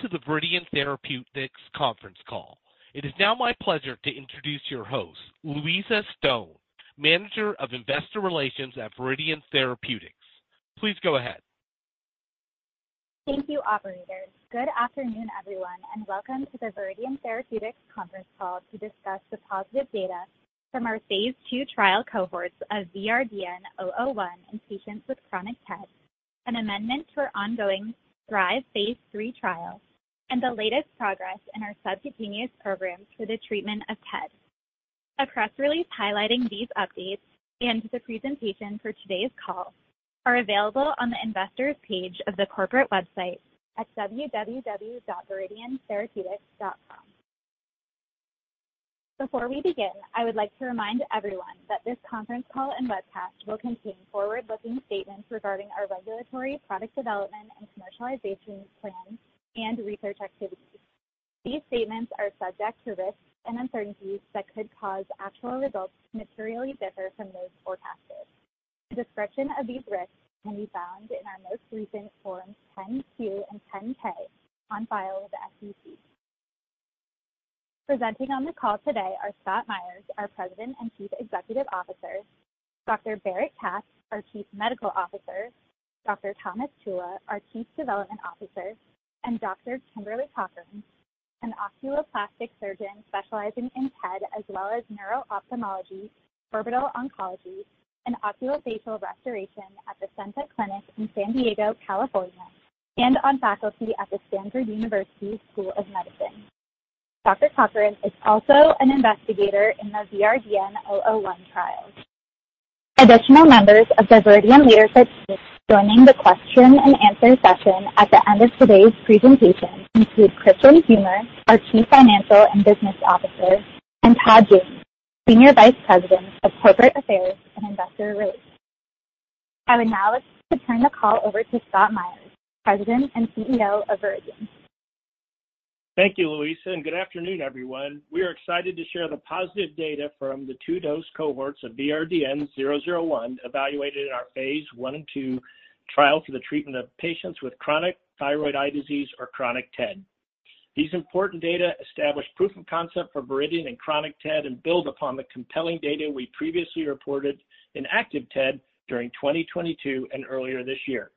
Welcome to the Viridian Therapeutics conference call. It is now my pleasure to introduce your host, Louisa Stone, Manager of Investor Relations at Viridian Therapeutics. Please go ahead. Thank you, Operator. Good afternoon, everyone, and welcome to the Viridian Therapeutics conference call to discuss the positive data from our phase II trial cohorts of VRDN-001 in patients with chronic TED, an amendment to our ongoing THRIVE phase III trial, and the latest progress in our subcutaneous program for the treatment of TED. A press release highlighting these updates and the presentation for today's call are available on the investors page of the corporate website at www.viridiantherapeutics.com. Before we begin, I would like to remind everyone that this conference call and webcast will contain forward-looking statements regarding our regulatory, product development, and commercialization plans and research activities. These statements are subject to risks and uncertainties that could cause actual results to materially differ from those forecasted. A description of these risks can be found in our most recent Forms 10-Q and 10-K on file with the SEC. Presenting on the call today are Scott Myers, our President and Chief Executive Officer, Dr. Barrett Katz, our Chief Medical Officer, Dr. Thomas Ciulla, our Chief Development Officer, and Dr. Kimberly Cockerham, an oculoplastic surgeon specializing in TED, as well as neuro-ophthalmology, orbital oncology, and oculofacial restoration at the SENTA Clinic in San Diego, California, and on faculty at the Stanford University School of Medicine. Dr. Cockerham is also an investigator in the VRDN-001 trial. Additional members of the Viridian leadership team joining the question and answer session at the end of today's presentation include Kristian Humer, our Chief Financial and Business Officer, and Todd James, Senior Vice President of Corporate Affairs and Investor Relations. I would now like to turn the call over to Scott Myers, President and CEO of Viridian. Thank you, Louisa. Good afternoon, everyone. We are excited to share the positive data from the two dose cohorts of VRDN-001 evaluated in our phase I and II trial for the treatment of patients with chronic thyroid eye disease or chronic TED. These important data establish proof of concept for Viridian in chronic TED and build upon the compelling data we previously reported in active TED during 2022 and earlier this year.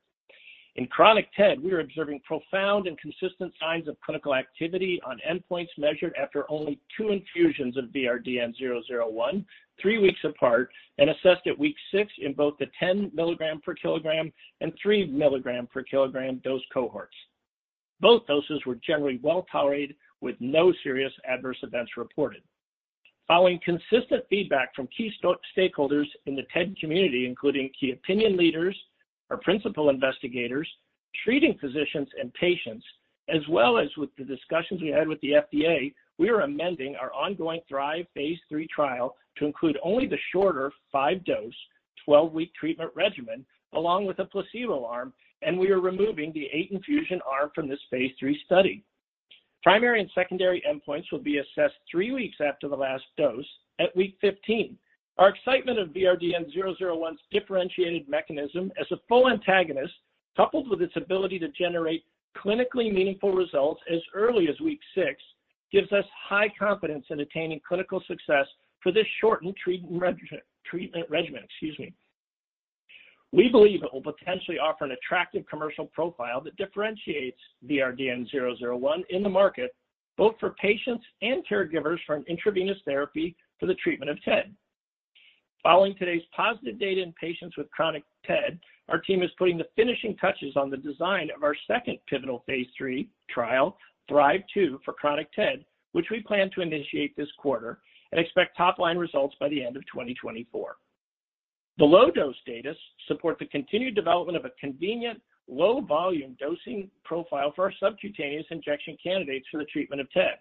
In chronic TED, we are observing profound and consistent signs of clinical activity on endpoints measured after only two infusions of VRDN-001, three weeks apart and assessed at week six in both the 10 mg/kg and 3 mg/kg dose cohorts. Both doses were generally well-tolerated, with no serious adverse events reported. Following consistent feedback from stakeholders in the TED community, including key opinion leaders, our principal investigators, treating physicians and patients, as well as with the discussions we had with the FDA, we are amending our ongoing THRIVE phase III trial to include only the shorter 5-dose, 12-week treatment regimen along with a placebo arm, and we are removing the eight infusion arm from this phase III study. Primary and secondary endpoints will be assessed three weeks after the last dose at week 15. Our excitement of VRDN-001's differentiated mechanism as a full antagonist, coupled with its ability to generate clinically meaningful results as early as week six, gives us high confidence in attaining clinical success for this shortened treatment regimen. Excuse me. We believe it will potentially offer an attractive commercial profile that differentiates VRDN-001 in the market, both for patients and caregivers, from intravenous therapy for the treatment of TED. Following today's positive data in patients with chronic TED, our team is putting the finishing touches on the design of our second pivotal phase III trial, THRIVE-2, for chronic TED, which we plan to initiate this quarter and expect top-line results by the end of 2024. The low-dose datas support the continued development of a convenient, low-volume dosing profile for our subcutaneous injection candidates for the treatment of TED.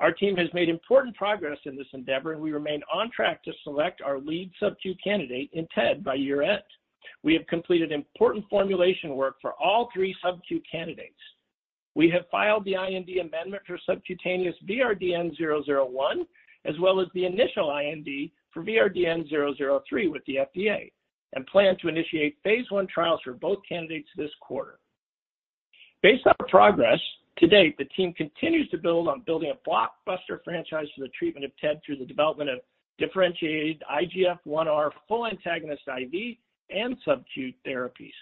Our team has made important progress in this endeavor and we remain on track to select our lead subq candidate in TED by year-end. We have completed important formulation work for all three subq candidates. We have filed the IND amendment for subcutaneous VRDN-001, as well as the initial IND for VRDN-003 with the FDA. Plan to initiate phase I trials for both candidates this quarter. Based on progress to date, the team continues to build on building a blockbuster franchise for the treatment of TED through the development of differentiated IGF-1R full antagonist IV and subq therapies.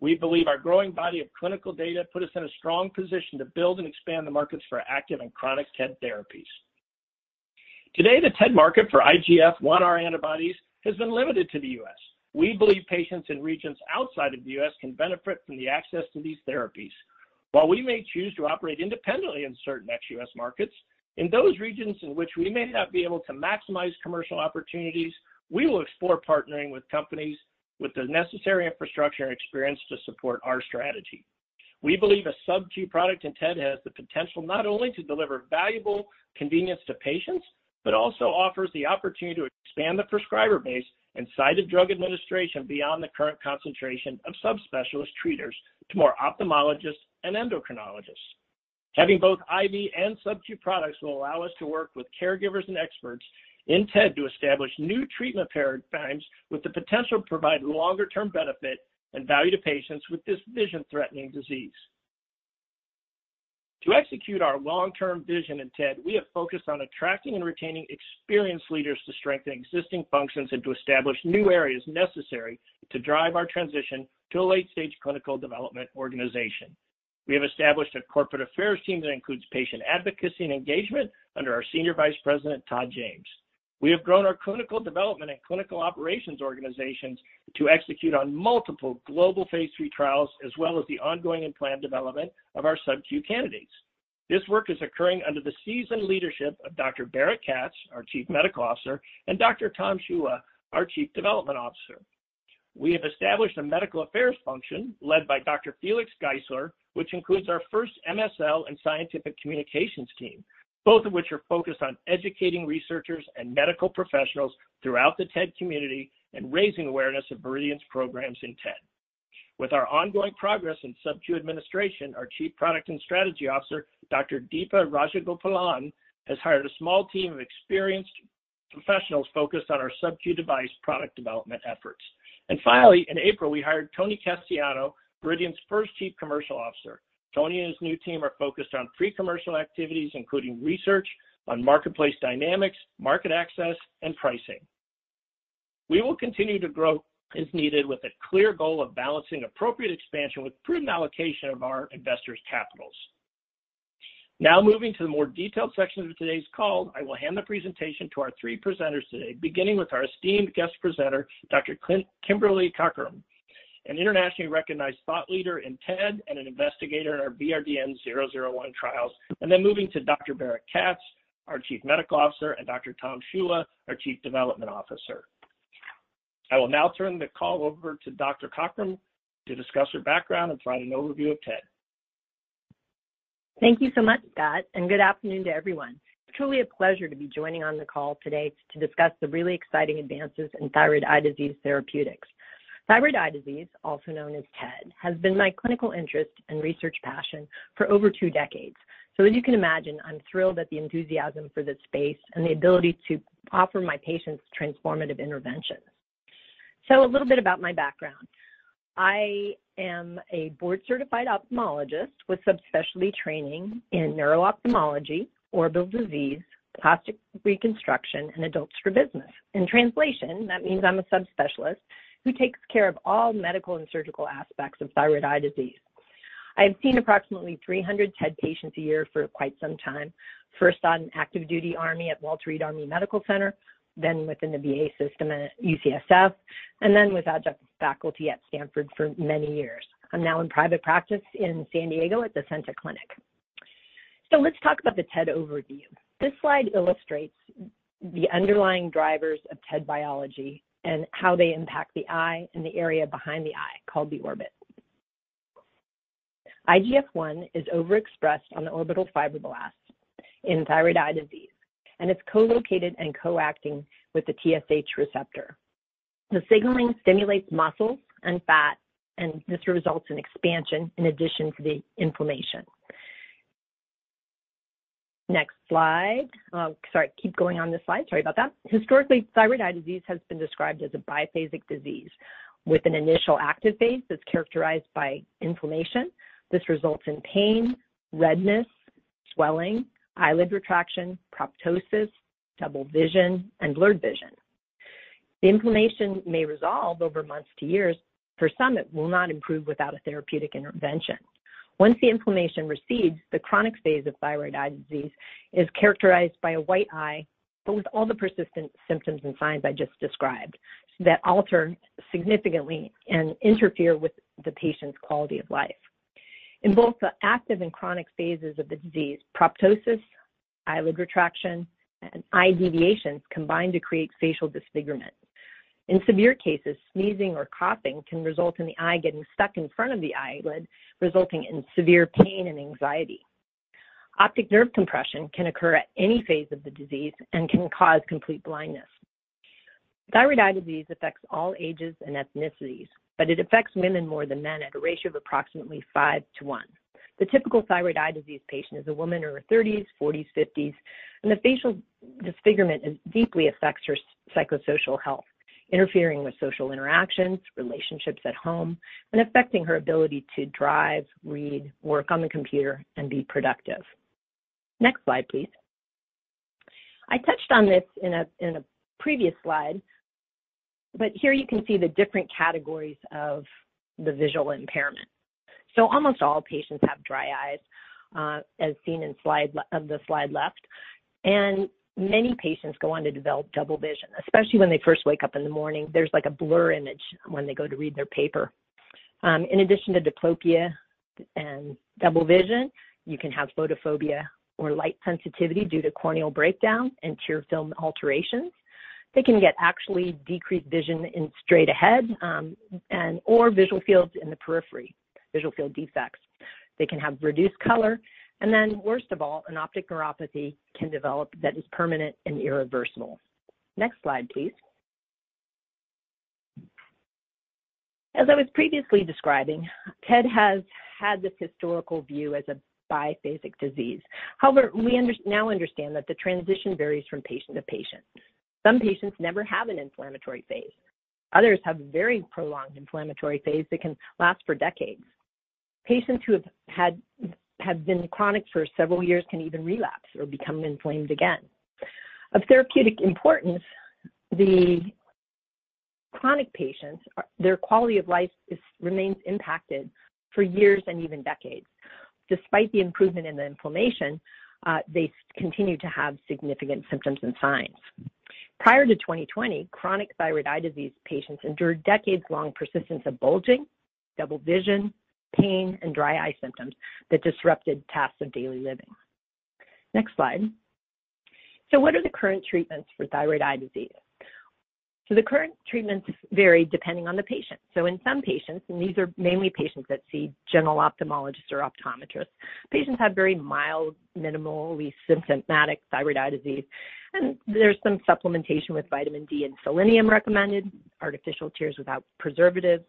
We believe our growing body of clinical data put us in a strong position to build and expand the markets for active and chronic TED therapies. Today, the TED market for IGF-1R antibodies has been limited to the U.S. We believe patients in regions outside of the U.S. can benefit from the access to these therapies. While we may choose to operate independently in certain ex-U.S. markets, in those regions in which we may not be able to maximize commercial opportunities, we will explore partnering with companies with the necessary infrastructure and experience to support our strategy. We believe a subcu product in TED has the potential not only to deliver valuable convenience to patients, but also offers the opportunity to expand the prescriber base inside the drug administration beyond the current concentration of subspecialist treaters to more ophthalmologists and endocrinologists. Having both IV and subcu products will allow us to work with caregivers and experts in TED to establish new treatment paradigms with the potential to provide longer-term benefit and value to patients with this vision-threatening disease. To execute our long-term vision in TED, we have focused on attracting and retaining experienced leaders to strengthen existing functions and to establish new areas necessary to drive our transition to a late-stage clinical development organization. We have established a corporate affairs team that includes patient advocacy and engagement under our Senior Vice President, Todd James. We have grown our clinical development and clinical operations organizations to execute on multiple global phase III trials, as well as the ongoing and planned development of our subq candidates. This work is occurring under the seasoned leadership of Dr. Barrett Katz, our Chief Medical Officer, and Dr. Tom Ciulla, our Chief Development Officer. We have established a medical affairs function led by Dr. Felix Geissler, which includes our first MSL and scientific communications team, both of which are focused on educating researchers and medical professionals throughout the TED community and raising awareness of Viridian's programs in TED. With our ongoing progress in subq administration, our Chief Product and Strategy Officer, Dr. Deepa Rajagopalan, has hired a small team of experienced professionals focused on our subq device product development efforts. Finally, in April, we hired Tony Casciano, Viridian's first Chief Commercial Officer. Tony and his new team are focused on pre-commercial activities, including research on marketplace dynamics, market access, and pricing. We will continue to grow as needed with a clear goal of balancing appropriate expansion with prudent allocation of our investors' capitals. Moving to the more detailed section of today's call, I will hand the presentation to our three presenters today, beginning with our esteemed guest presenter, Dr. Kimberly Cockerham, an internationally recognized thought leader in TED and an investigator in our VRDN-001 trials, and then moving to Dr. Barrett Katz, our Chief Medical Officer, and Dr. Tom Ciulla, our Chief Development Officer. I will now turn the call over to Dr. Cockerham to discuss her background and provide an overview of TED. Thank you so much, Scott, and good afternoon to everyone. Truly a pleasure to be joining on the call today to discuss the really exciting advances in thyroid eye disease therapeutics. Thyroid eye disease, also known as TED, has been my clinical interest and research passion for over two decades. As you can imagine, I'm thrilled at the enthusiasm for this space and the ability to offer my patients transformative interventions. A little bit about my background. I am a board-certified ophthalmologist with subspecialty training in neuro-ophthalmology, orbital disease, plastic reconstruction, and adult strabismus. In translation, that means I'm a subspecialist who takes care of all medical and surgical aspects of thyroid eye disease. I have seen approximately 300 TED patients a year for quite some time, first on active duty army at Walter Reed Army Medical Center, then within the VA system at UCSF, and then with adjunct faculty at Stanford for many years. I'm now in private practice in San Diego at the SENTA Clinic. Let's talk about the TED overview. This slide illustrates the underlying drivers of TED biology and how they impact the eye and the area behind the eye, called the orbit. IGF-1 is overexpressed on the orbital fibroblasts in thyroid eye disease and is co-located and co-acting with the TSH receptor. The signaling stimulates muscle and fat, and this results in expansion in addition to the inflammation. Next slide. Sorry, keep going on this slide. Sorry about that. Historically, thyroid eye disease has been described as a biphasic disease with an initial active phase that's characterized by inflammation. This results in pain, redness, swelling, eyelid retraction, proptosis, double vision, and blurred vision. The inflammation may resolve over months to years. For some, it will not improve without a therapeutic intervention. Once the inflammation recedes, the chronic phase of thyroid eye disease is characterized by a white eye, but with all the persistent symptoms and signs I just described, that alter significantly and interfere with the patient's quality of life. In both the active and chronic phases of the disease, proptosis, eyelid retraction, and eye deviations combine to create facial disfigurement. In severe cases, sneezing or coughing can result in the eye getting stuck in front of the eyelid, resulting in severe pain and anxiety. Optic nerve compression can occur at any phase of the disease and can cause complete blindness. Thyroid eye disease affects all ages and ethnicities, it affects women more than men at a ratio of approximately 5:1. The typical thyroid eye disease patient is a woman in her thirties, forties, fifties, and the facial disfigurement deeply affects her psychosocial health, interfering with social interactions, relationships at home, and affecting her ability to drive, read, work on the computer, and be productive. Next slide, please. I touched on this in a previous slide, here you can see the different categories of the visual impairment. Almost all patients have dry eyes, as seen in of the slide left, and many patients go on to develop double vision, especially when they first wake up in the morning. There's like a blur image when they go to read their paper. In addition to diplopia and double vision, you can have photophobia or light sensitivity due to corneal breakdown and tear film alterations. They can get actually decreased vision in straight ahead, and/or visual fields in the periphery, visual field defects. They can have reduced color. Worst of all, an optic neuropathy can develop that is permanent and irreversible. Next slide, please. As I was previously describing, TED has had this historical view as a biphasic disease. We now understand that the transition varies from patient to patient. Some patients never have an inflammatory phase. Others have a very prolonged inflammatory phase that can last for decades. Patients who have been chronic for several years can even relapse or become inflamed again. Of therapeutic importance, the chronic patients, their quality of life remains impacted for years and even decades. Despite the improvement in the inflammation, they continue to have significant symptoms and signs. Prior to 2020, chronic thyroid eye disease patients endured decades-long persistence of bulging, double vision, pain, and dry eye symptoms that disrupted tasks of daily living. Next slide. What are the current treatments for thyroid eye disease? The current treatments vary depending on the patient. In some patients, and these are mainly patients that see general ophthalmologists or optometrists, patients have very mild, minimally symptomatic thyroid eye disease, and there's some supplementation with vitamin D and selenium recommended, artificial tears without preservatives,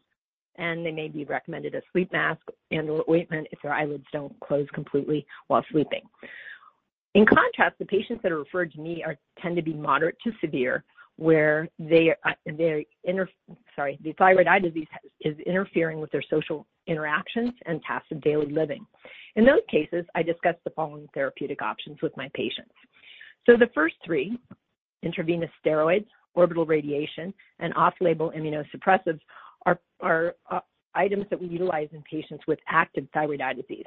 and they may be recommended a sleep mask and ointment if their eyelids don't close completely while sleeping. In contrast, the patients that are referred to me are, tend to be moderate to severe, where they are, the thyroid eye disease is interfering with their social interactions and tasks of daily living. In those cases, I discuss the following therapeutic options with my patients. The first three, intravenous steroids, orbital radiation, and off-label immunosuppressives, are items that we utilize in patients with active thyroid eye disease.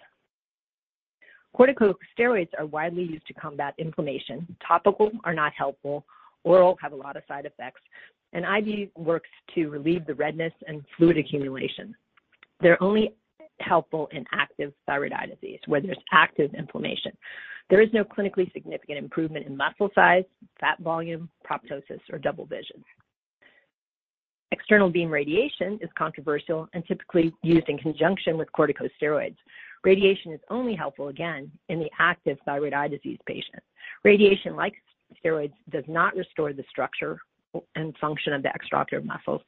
Corticosteroids are widely used to combat inflammation. Topical are not helpful. Oral have a lot of side effects, IV works to relieve the redness and fluid accumulation. They're only helpful in active thyroid eye disease, where there's active inflammation. There is no clinically significant improvement in muscle size, fat volume, proptosis, or double vision. External beam radiation is controversial and typically used in conjunction with corticosteroids. Radiation is only helpful, again, in the active thyroid eye disease patient. Radiation, like steroids, does not restore the structure and function of the extraocular muscles,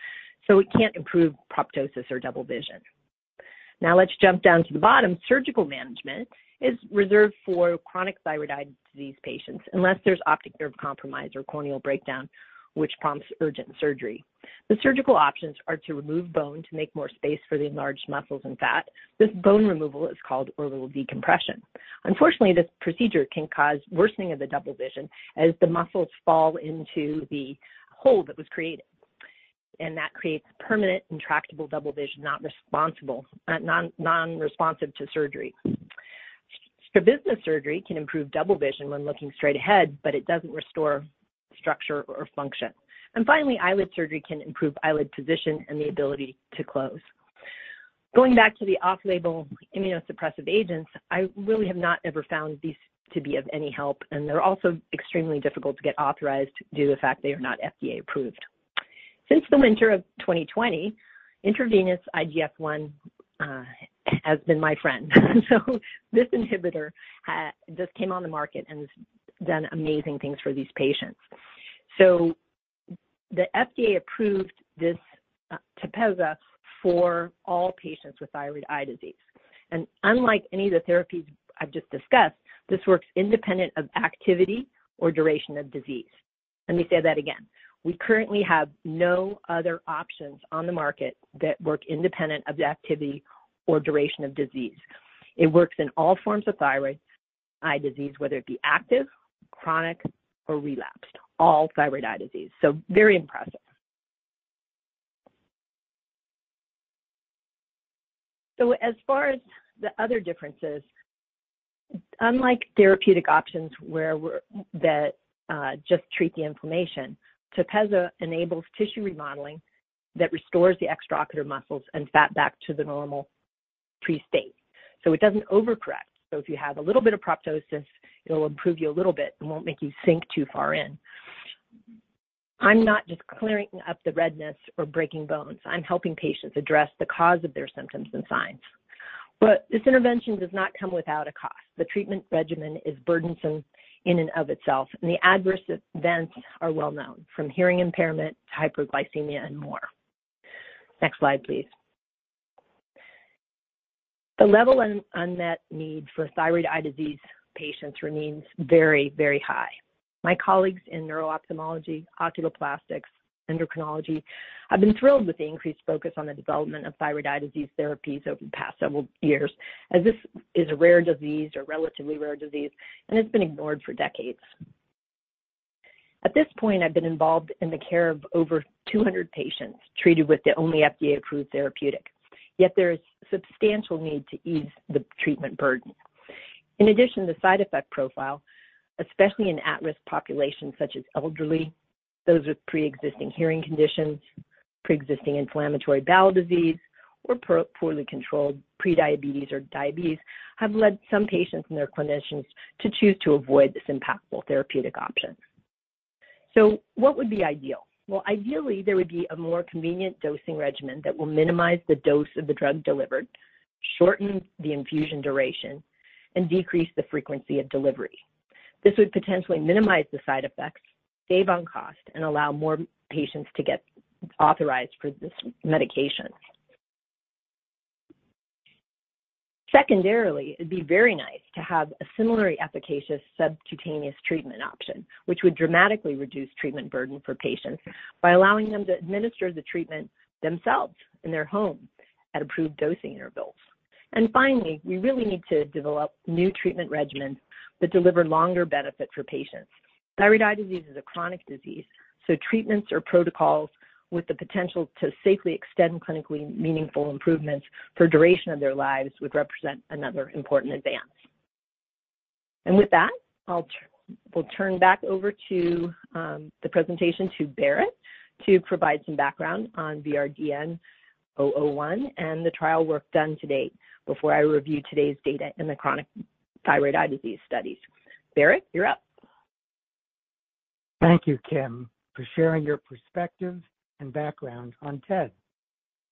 so it can't improve proptosis or double vision. Let's jump down to the bottom. Surgical management is reserved for chronic thyroid eye disease patients unless there's optic nerve compromise or corneal breakdown, which prompts urgent surgery. The surgical options are to remove bone to make more space for the enlarged muscles and fat. This bone removal is called orbital decompression. Unfortunately, this procedure can cause worsening of the double vision as the muscles fall into the hole that was created, and that creates permanent intractable double vision, not responsible, non-responsive to surgery. Strabismus surgery can improve double vision when looking straight ahead, but it doesn't restore structure or function. Finally, eyelid surgery can improve eyelid position and the ability to close. Going back to the off-label immunosuppressive agents, I really have not ever found these to be of any help, and they're also extremely difficult to get authorized due to the fact they are not FDA approved. Since the winter of 2020, intravenous IGF-1 has been my friend. This inhibitor just came on the market and has done amazing things for these patients. The FDA approved this TEPEZZA for all patients with thyroid eye disease. Unlike any of the therapies I've just discussed, this works independent of activity or duration of disease. Let me say that again. We currently have no other options on the market that work independent of the activity or duration of disease. It works in all forms of thyroid eye disease, whether it be active, chronic, or relapsed, all thyroid eye disease. Very impressive. As far as the other differences, unlike therapeutic options where we're, that just treat the inflammation, TEPEZZA enables tissue remodeling that restores the extraocular muscles and fat back to the normal pre-state, so it doesn't overcorrect. If you have a little bit of proptosis, it'll improve you a little bit and won't make you sink too far in. I'm not just clearing up the redness or breaking bones. I'm helping patients address the cause of their symptoms and signs. This intervention does not come without a cost. The treatment regimen is burdensome in and of itself, and the adverse events are well known, from hearing impairment to hyperglycemia and more. Next slide, please. The level and unmet need for thyroid eye disease patients remains very, very high. My colleagues in neuro-ophthalmology, oculoplastics, endocrinology, have been thrilled with the increased focus on the development of thyroid eye disease therapies over the past several years, as this is a rare disease or relatively rare disease, and it's been ignored for decades. At this point, I've been involved in the care of over 200 patients treated with the only FDA-approved therapeutic, yet there is substantial need to ease the treatment burden. In addition, the side effect profile, especially in at-risk populations such as elderly, those with preexisting hearing conditions, preexisting inflammatory bowel disease, or poorly controlled prediabetes or diabetes, have led some patients and their clinicians to choose to avoid this impactful therapeutic option. What would be ideal? Well, ideally, there would be a more convenient dosing regimen that will minimize the dose of the drug delivered, shorten the infusion duration, and decrease the frequency of delivery. This would potentially minimize the side effects, save on cost, and allow more patients to get authorized for this medication. Secondarily, it'd be very nice to have a similarly efficacious subcutaneous treatment option, which would dramatically reduce treatment burden for patients by allowing them to administer the treatment themselves in their home at approved dosing intervals. Finally, we really need to develop new treatment regimens that deliver longer benefit for patients. Thyroid eye disease is a chronic disease. Treatments or protocols with the potential to safely extend clinically meaningful improvements for duration of their lives would represent another important advance. With that, we'll turn back over to the presentation to Barrett to provide some background on VRDN-001 and the trial work done to date before I review today's data in the chronic thyroid eye disease studies. Barrett, you're up. Thank you, Kim, for sharing your perspective and background on TED.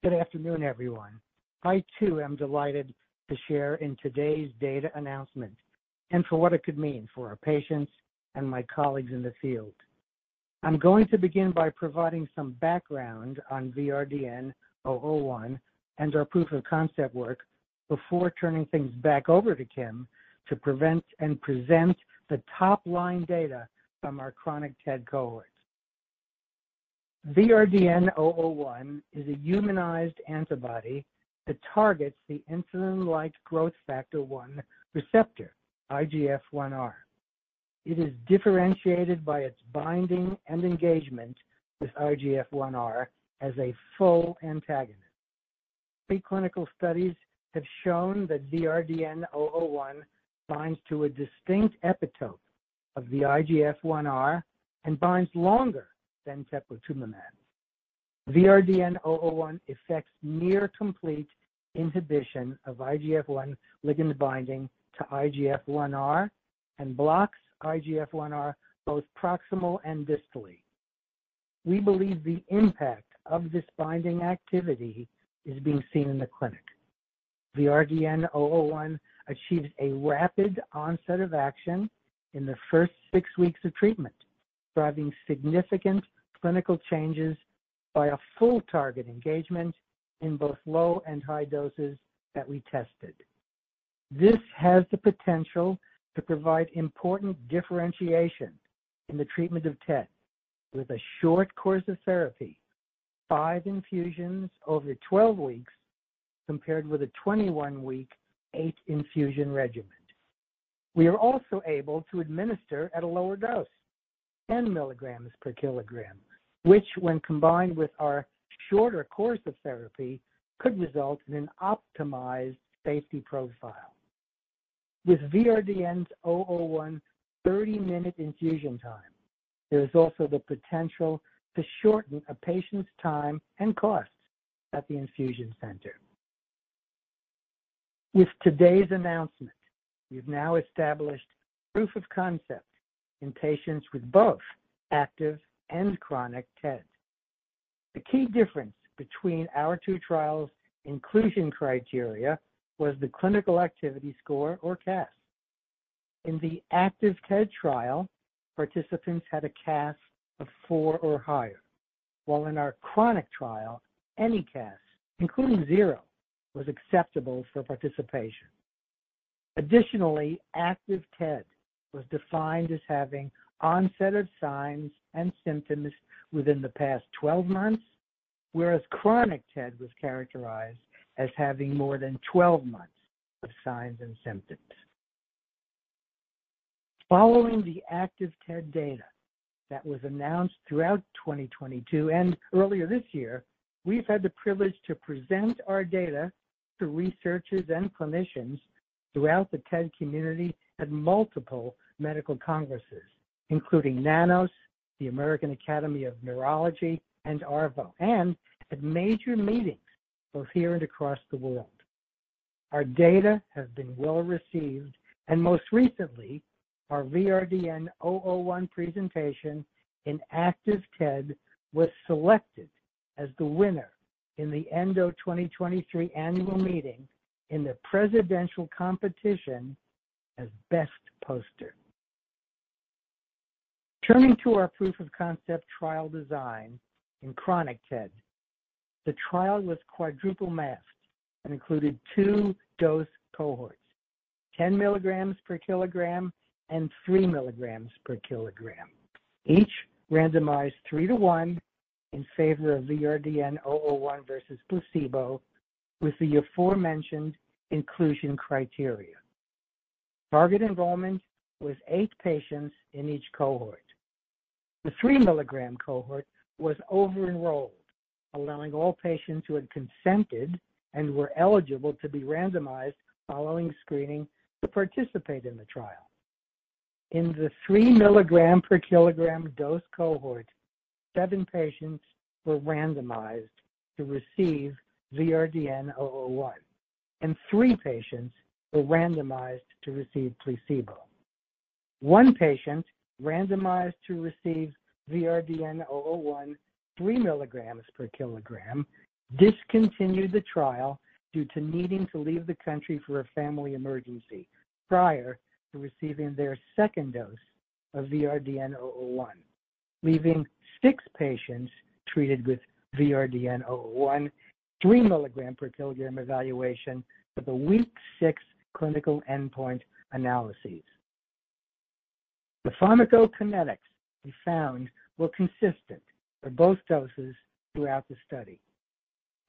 Good afternoon, everyone. I too am delighted to share in today's data announcement and for what it could mean for our patients and my colleagues in the field. I'm going to begin by providing some background on VRDN-001 and our proof of concept work before turning things back over to Kim to prevent and present the top-line data from our chronic TED cohort. VRDN-001 is a humanized antibody that targets the insulin-like growth factor one receptor, IGF-1R. It is differentiated by its binding and engagement with IGF-1R as a full antagonist. Preclinical studies have shown that VRDN-001 binds to a distinct epitope of the IGF-1R and binds longer than teprotumumab. VRDN-001 effects near complete inhibition of IGF-1 ligand binding to IGF-1R and blocks IGF-1R, both proximal and distally. We believe the impact of this binding activity is being seen in the clinic. VRDN-001 achieves a rapid onset of action in the first six weeks of treatment, driving significant clinical changes by a full target engagement in both low and high doses that we tested. This has the potential to provide important differentiation in the treatment of TED with a short course of therapy, five infusions over 12 weeks, compared with a 21-week, eight infusion regimen. We are also able to administer at a lower dose, 10 mg/kg, which when combined with our shorter course of therapy, could result in an optimized safety profile. With VRDN-001 30-minute infusion time, there is also the potential to shorten a patient's time and costs at the infusion center. With today's announcement, we've now established proof of concept in patients with both active and chronic TED. The key difference between our two trials' inclusion criteria was the clinical activity score, or CAS. In the active TED trial, participants had a CAS of four or higher, while in our chronic trial, any CAS, including zero, was acceptable for participation. Additionally, active TED was defined as having onset of signs and symptoms within the past 12 months, whereas chronic TED was characterized as having more than 12 months of signs and symptoms. Following the active TED data that was announced throughout 2022 and earlier this year, we've had the privilege to present our data to researchers and clinicians throughout the TED community at multiple medical congresses, including NANOS, the American Academy of Neurology, and ARVO, and at major meetings both here and across the world. Our data have been well received, and most recently, our VRDN-001 presentation in active TED was selected as the winner in the ENDO 2023 annual meeting in the presidential competition as Best Poster. Turning to our proof of concept trial design in chronic TED, the trial was quadruple masked and included two dose cohorts, 10 mg/kg and 3 mg/kg. Each randomized 3:1 in favor of VRDN-001 versus placebo, with the aforementioned inclusion criteria. Target enrollment was eight patients in each cohort. The 3 mg cohort was over-enrolled, allowing all patients who had consented and were eligible to be randomized following screening to participate in the trial. In the 3 mg/kg dose cohort, seven patients were randomized to receive VRDN-001, and three patients were randomized to receive placebo. One patient randomized to receive VRDN-001 3 mg/kg discontinued the trial due to needing to leave the country for a family emergency prior to receiving their second dose of VRDN-001, leaving six patients treated with VRDN-001, 3 mg/kg evaluation for the week six clinical endpoint analyses. The pharmacokinetics we found were consistent for both doses throughout the study.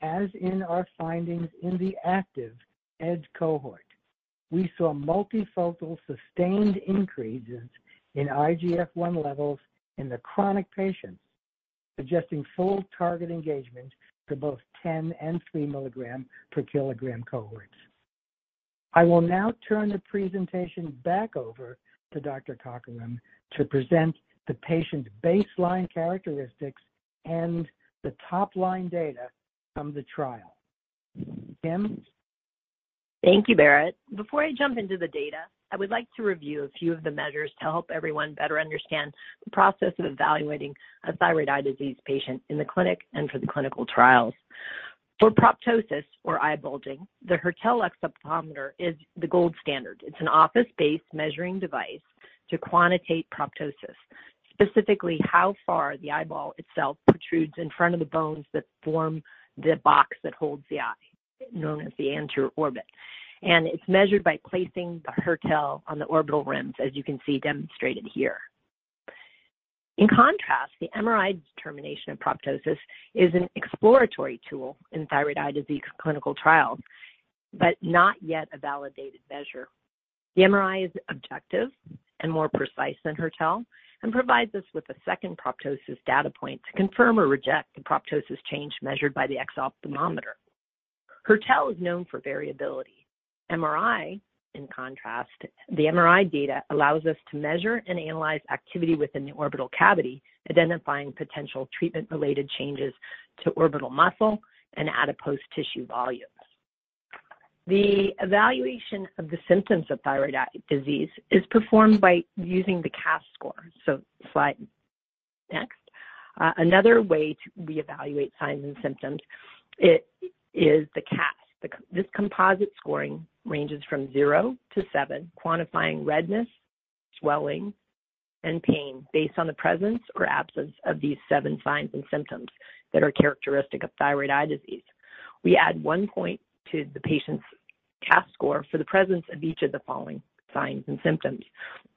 As in our findings in the active TED cohort, we saw multifocal sustained increases in IGF-1 levels in the chronic patients, suggesting full target engagement for both 10 mg/kg and 3 mg/kg cohorts. I will now turn the presentation back over to Dr. Cockerham to present the patient's baseline characteristics and the top-line data from the trial. Kim? Thank you, Barrett. Before I jump into the data, I would like to review a few of the measures to help everyone better understand the process of evaluating a thyroid eye disease patient in the clinic and for the clinical trials. For proptosis, or eye bulging, the Hertel exophthalmometer is the gold standard. It's an office-based measuring device to quantitate proptosis, specifically how far the eyeball itself protrudes in front of the bones that form the box that holds the eye, known as the anterior orbit. It's measured by placing the Hertel on the orbital rims, as you can see demonstrated here. In contrast, the MRI determination of proptosis is an exploratory tool in thyroid eye disease clinical trials, but not yet a validated measure. The MRI is objective and more precise than Hertel and provides us with a second proptosis data point to confirm or reject the proptosis change measured by the exophthalmometer. Hertel is known for variability. MRI, in contrast, the MRI data allows us to measure and analyze activity within the orbital cavity, identifying potential treatment-related changes to orbital muscle and adipose tissue volumes. The evaluation of the symptoms of thyroid eye disease is performed by using the CAS score. Slide. Next. Another way to reevaluate signs and symptoms it is the CAS. This composite scoring ranges from zero to seven, quantifying redness, swelling, and pain based on the presence or absence of these seven signs and symptoms that are characteristic of thyroid eye disease. We add one point to the patient's CAS score for the presence of each of the following signs and symptoms.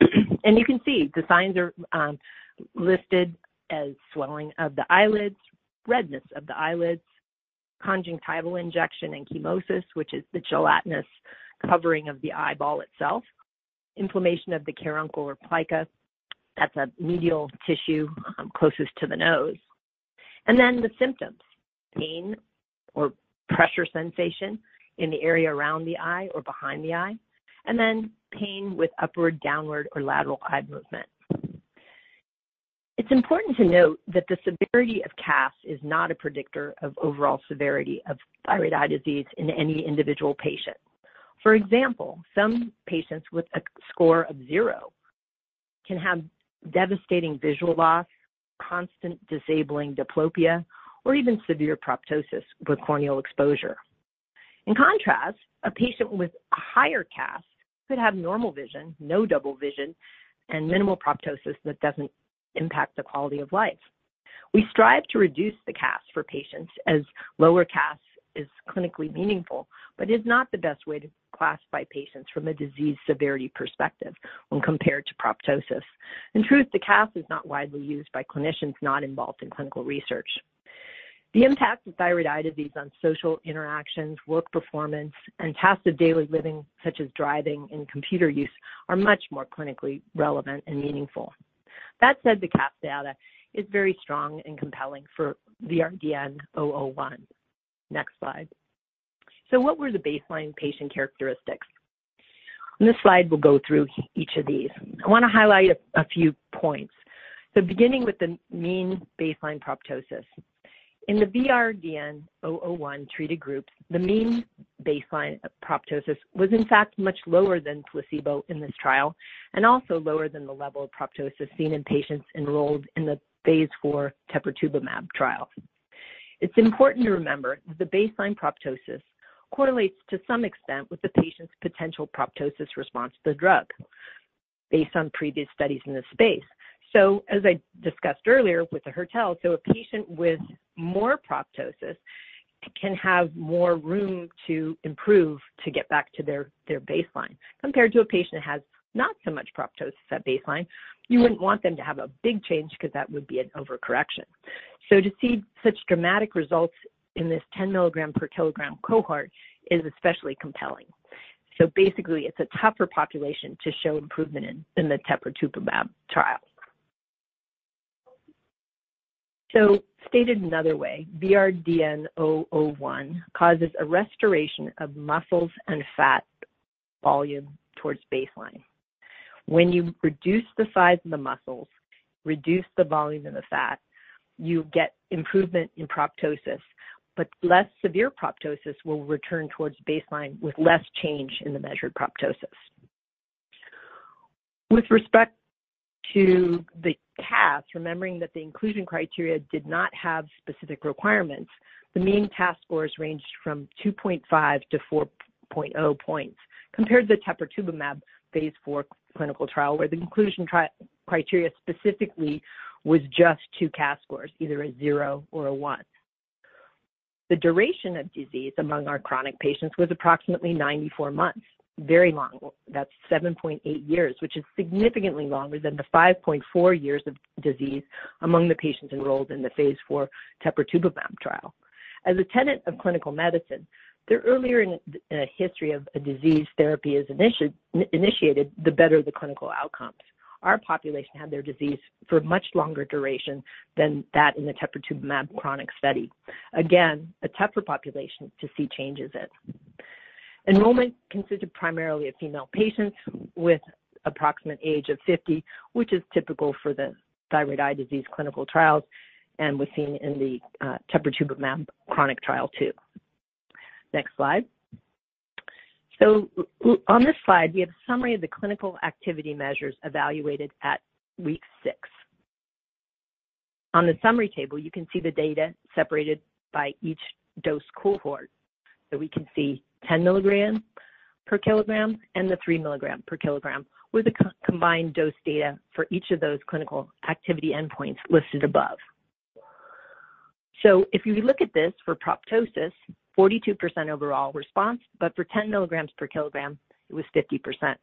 You can see the signs are listed as swelling of the eyelids, redness of the eyelids, conjunctival injection and chemosis, which is the gelatinous covering of the eyeball itself, inflammation of the caruncle or plica, that's a medial tissue closest to the nose. The symptoms, pain or pressure sensation in the area around the eye or behind the eye, and then pain with upward, downward, or lateral eye movement. It's important to note that the severity of CAS is not a predictor of overall severity of thyroid eye disease in any individual patient. For example, some patients with a score of zero can have devastating visual loss, constant disabling diplopia, or even severe proptosis with corneal exposure. In contrast, a patient with a higher CAS could have normal vision, no double vision, and minimal proptosis that doesn't impact the quality of life. We strive to reduce the CAS for patients, as lower CAS is clinically meaningful, but is not the best way to classify patients from a disease severity perspective when compared to proptosis. In truth, the CAS is not widely used by clinicians not involved in clinical research. The impact of thyroid eye disease on social interactions, work performance, tasks of daily living, such as driving and computer use, are much more clinically relevant and meaningful. That said, the CAS data is very strong and compelling for VRDN-001. Next slide. What were the baseline patient characteristics? On this slide, we'll go through each of these. I wanna highlight a few points. Beginning with the mean baseline proptosis. In the VRDN-001 treated groups, the mean baseline proptosis was in fact much lower than placebo in this trial and also lower than the level of proptosis seen in patients enrolled in the phase IV teprotumumab trial. It's important to remember that the baseline proptosis correlates to some extent with the patient's potential proptosis response to the drug, based on previous studies in this space. As I discussed earlier with the Hertel, a patient with more proptosis can have more room to improve to get back to their baseline, compared to a patient that has not so much proptosis at baseline. You wouldn't want them to have a big change because that would be an overcorrection. To see such dramatic results in this 10 mg/kg cohort is especially compelling. Basically, it's a tougher population to show improvement in the teprotumumab trial. Stated another way, VRDN-001 causes a restoration of muscles and fat volume towards baseline. When you reduce the size of the muscles, reduce the volume in the fat, you get improvement in proptosis, but less severe proptosis will return towards baseline with less change in the measured proptosis. With respect to the CAS, remembering that the inclusion criteria did not have specific requirements, the mean CAS scores ranged from 2.5-4.0 points, compared to the teprotumumab phase IV clinical trial, where the inclusion criteria specifically was just two CAS scores, either a zero or a one. The duration of disease among our chronic patients was approximately 94 months. Very long. That's 7.8 years, which is significantly longer than the 5.4 years of disease among the patients enrolled in the phase IV teprotumumab trial. As a tenant of clinical medicine, the earlier in a history of a disease therapy is initiated, the better the clinical outcomes. Our population had their disease for much longer duration than that in the teprotumumab chronic study. A tougher population to see changes in. Enrollment consisted primarily of female patients with approximate age of 50, which is typical for the thyroid eye disease clinical trials and was seen in the teprotumumab chronic trial, too. Next slide. On this slide, we have a summary of the clinical activity measures evaluated at week six. On the summary table, you can see the data separated by each dose cohort. We can see 10 mg/kg and the 3 mg/kg, with a combined dose data for each of those clinical activity endpoints listed above. If you look at this for proptosis, 42% overall response, but for 10 mg/kg, it was 50%.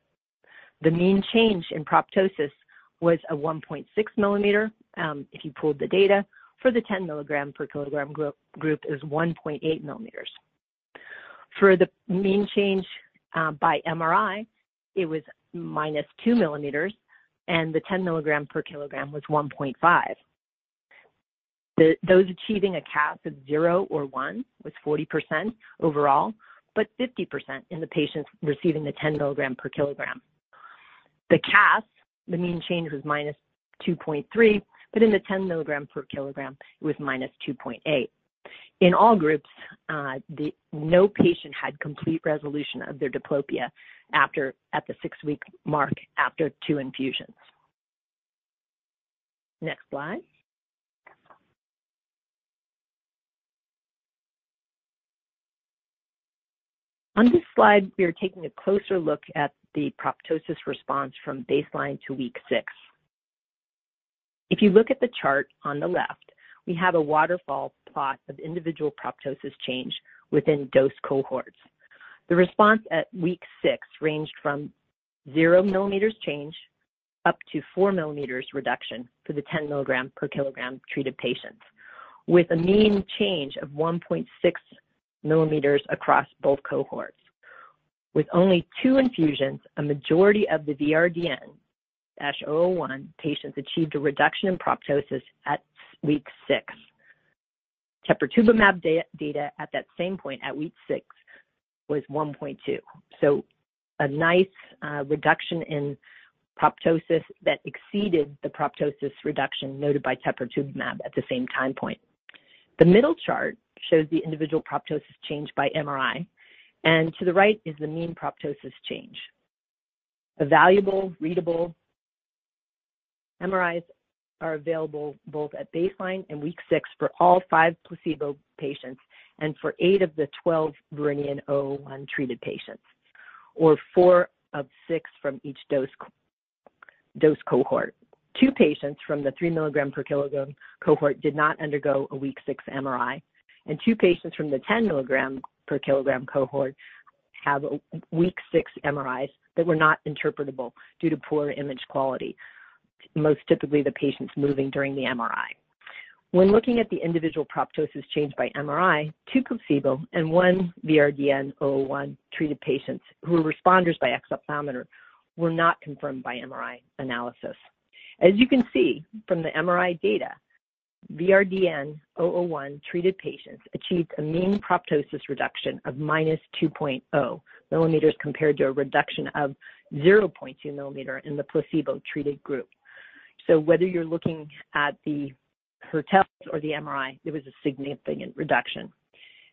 The mean change in proptosis was a 1.6 mm if you pooled the data. For the 10 mg/kg group is 1.8 mm. For the mean change by MRI, it was -2 mm, and the 10 mg/kg was 1.5 mm. Those achieving a CAS of zero or one was 40% overall, but 50% in the patients receiving the 10 mg/kg. The CAS, the mean change was -2.3, but in the 10 mg/kg, it was -2.8. In all groups, the no patient had complete resolution of their diplopia after at the six-week mark after two infusions. Next slide. On this slide, we are taking a closer look at the proptosis response from baseline to week six. If you look at the chart on the left, we have a waterfall plot of individual proptosis change within dose cohorts. The response at week six ranged from 0 mm change up to 4 mm reduction for the 10 mg/kg treated patients, with a mean change of 1.6 mm across both cohorts. With only two infusions, a majority of the VRDN-001 patients achieved a reduction in proptosis at week six. Teprotumumab data at that same point, at week six, was 1.2. A nice reduction in proptosis that exceeded the proptosis reduction noted by teprotumumab at the same time point. The middle chart shows the individual proptosis change by MRI, and to the right is the mean proptosis change. A valuable, readable MRIs are available both at baseline and week six for all 5 placebo patients and for eight of the 12 VRDN-001 treated patients, or four of six from each dose cohort. Two patients from the 3 mg/kg cohort did not undergo a week six MRI, and two patients from the 10 mg/kg cohort have a week six MRIs that were not interpretable due to poor image quality, most typically, the patients moving during the MRI. When looking at the individual proptosis change by MRI, two placebo and one VRDN-001 treated patients who were responders by exophthalmometer were not confirmed by MRI analysis. You can see from the MRI data, VRDN-001 treated patients achieved a mean proptosis reduction of -2.0 mn, compared to a reduction of 0.2 mm in the placebo-treated group. Whether you're looking at the Hertel or the MRI, there was a significant reduction.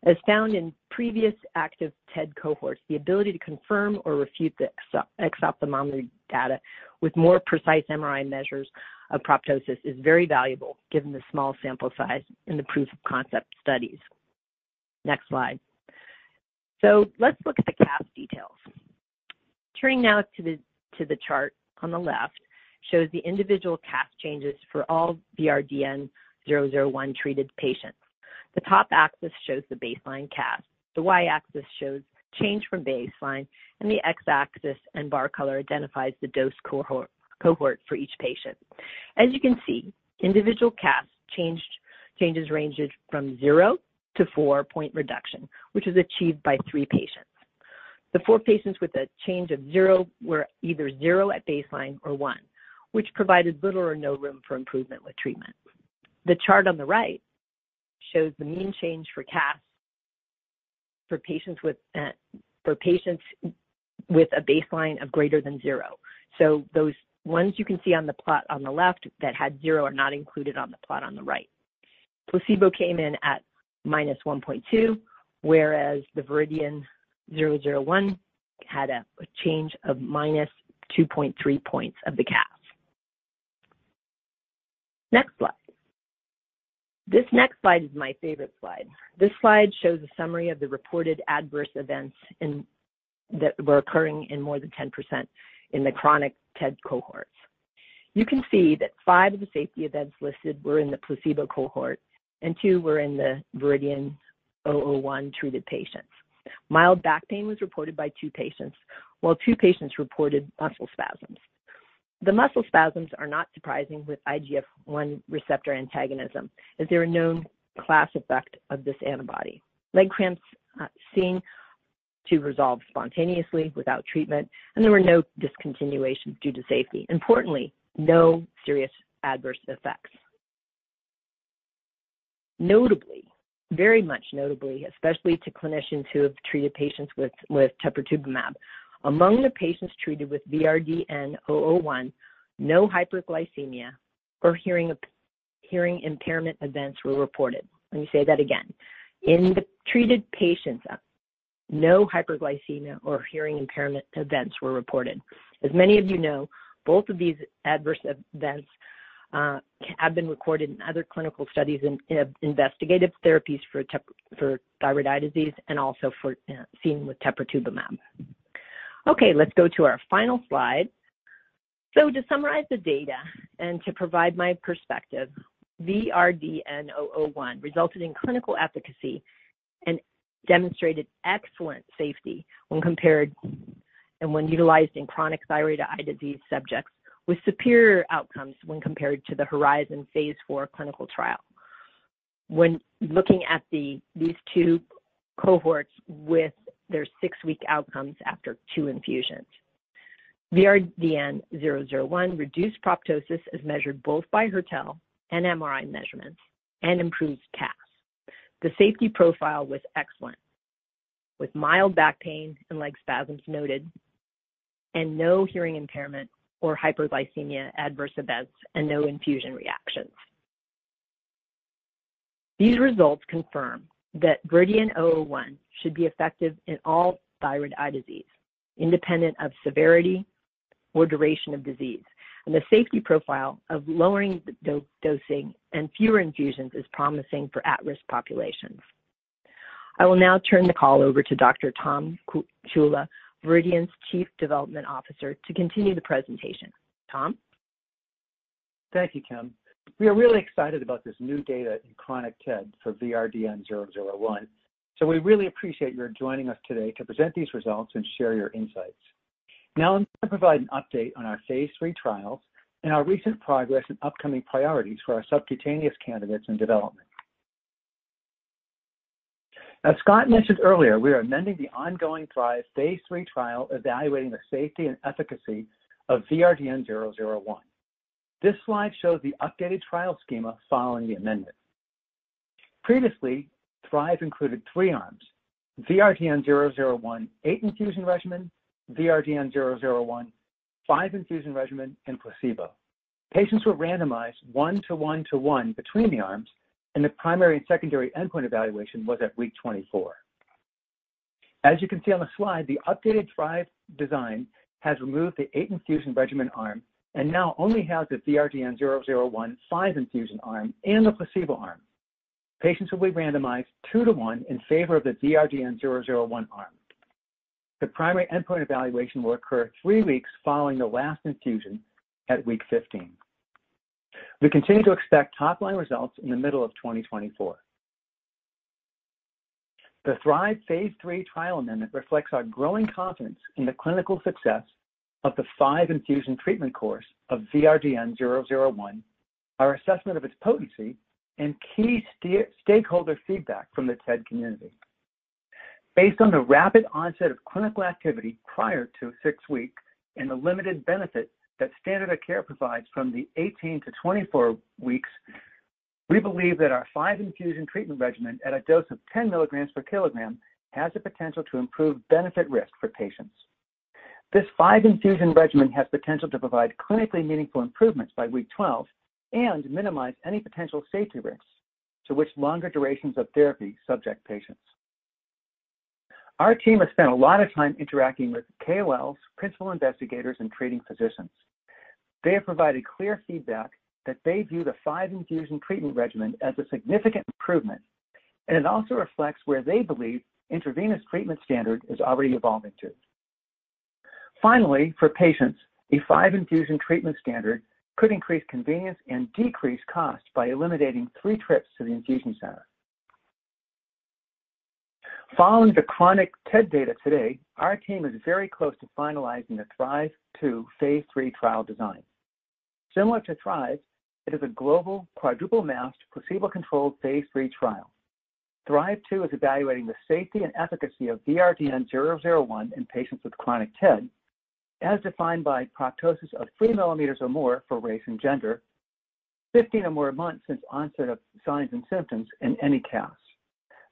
As found in previous active TED cohorts, the ability to confirm or refute the exophthalmometry data with more precise MRI measures of proptosis is very valuable, given the small sample size in the proof of concept studies. Next slide. Let's look at the CAS details. Turning now to the chart on the left, shows the individual CAS changes for all VRDN-001 treated patients. The top axis shows the baseline CAS, the Y-axis shows change from baseline, and the X-axis and bar color identifies the dose cohort for each patient. As you can see, individual CAS changes ranged from zero to four-point reduction, which is achieved by three patients. The four patients with a change of zero were either zero at baseline or one, which provided little or no room for improvement with treatment. The chart on the right shows the mean change for CAS for patients with for patients with a baseline of greater than zero. Those ones you can see on the plot on the left that had zero are not included on the plot on the right. Placebo came in at -1.2, whereas the VRDN-001 had a change of -2.3 points of the CAS. Next slide. This next slide is my favorite slide. This slide shows a summary of the reported adverse events that were occurring in more than 10% in the chronic TED cohorts. You can see that five of the safety events listed were in the placebo cohort, and two were in the VRDN-001 treated patients. Mild back pain was reported by two patients, while two patients reported muscle spasms. The muscle spasms are not surprising with IGF-1 receptor antagonism, as they're a known class effect of this antibody. Leg cramps seem to resolve spontaneously without treatment, and there were no discontinuations due to safety. Importantly, no serious adverse effects. Notably, very much notably, especially to clinicians who have treated patients with teprotumumab, among the patients treated with VRDN-001, no hyperglycemia or hearing impairment events were reported. Let me say that again. In the treated patients, no hyperglycemia or hearing impairment events were reported. As many of you know, both of these adverse events have been recorded in other clinical studies in investigative therapies for thyroid eye disease and also for, seen with teprotumumab. Let's go to our final slide. To summarize the data and to provide my perspective, VRDN-001 resulted in clinical efficacy and demonstrated excellent safety when compared and when utilized in chronic thyroid eye disease subjects, with superior outcomes when compared to the HORIZON phase IV clinical trial when looking at these two cohorts with their six-week outcomes after two infusions. VRDN-001 reduced proptosis as measured both by Hertel and MRI measurements and improved CAS. The safety profile was excellent, with mild back pain and leg spasms noted and no hearing impairment or hyperglycemia adverse events and no infusion reactions. These results confirm that VRDN-001 should be effective in all thyroid eye disease, independent of severity or duration of disease. The safety profile of lowering the dosing and fewer infusions is promising for at-risk populations. I will now turn the call over to Dr. Tom Ciulla, Viridian's Chief Development Officer, to continue the presentation. Tom? Thank you, Kim. We are really excited about this new data in chronic TED for VRDN-001, so we really appreciate your joining us today to present these results and share your insights. I'm going to provide an update on our phase III trials and our recent progress and upcoming priorities for our subcutaneous candidates in development. As Scott mentioned earlier, we are amending the ongoing THRIVE phase III trial evaluating the safety and efficacy of VRDN-001. This slide shows the updated trial schema following the amendment. Previously, THRIVE included three arms: VRDN-001 eight-infusion regimen, VRDN-001 five-infusion regimen, and placebo. Patients were randomized 1:1:1 between the arms, and the primary and secondary endpoint evaluation was at week 24. As you can see on the slide, the updated THRIVE design has removed the eight-infusion regimen arm and now only has the VRDN-001 five-infusion arm and the placebo arm. Patients will be randomized 2:1 in favor of the VRDN-001 arm. The primary endpoint evaluation will occur three weeks following the last infusion at week 15. We continue to expect top-line results in the middle of 2024. The THRIVE phase III trial amendment reflects our growing confidence in the clinical success of the five infusion treatment course of VRDN-001, our assessment of its potency, and key stakeholder feedback from the TED community. Based on the rapid onset of clinical activity prior to six weeks and the limited benefit that standard of care provides from the 18-24 weeks, we believe that our five infusion treatment regimen at a dose of 10 mg/kg has the potential to improve benefit risk for patients. This five-infusion regimen has potential to provide clinically meaningful improvements by week 12 and minimize any potential safety risks to which longer durations of therapy subject patients. Our team has spent a lot of time interacting with KOLs, principal investigators, and treating physicians. They have provided clear feedback that they view the five infusion treatment regimen as a significant improvement, and it also reflects where they believe intravenous treatment standard is already evolving to. Finally, for patients, a five infusion treatment standard could increase convenience and decrease costs by eliminating three trips to the infusion center. Following the chronic TED data today, our team is very close to finalizing the THRIVE-2 phase III trial design. Similar to THRIVE, it is a global quadruple-masked, placebo-controlled phase III trial. THRIVE-2 is evaluating the safety and efficacy of VRDN-001 in patients with chronic TED, as defined by proptosis of 3 mm or more for race and gender, 15 or more months since onset of signs and symptoms and any CAS.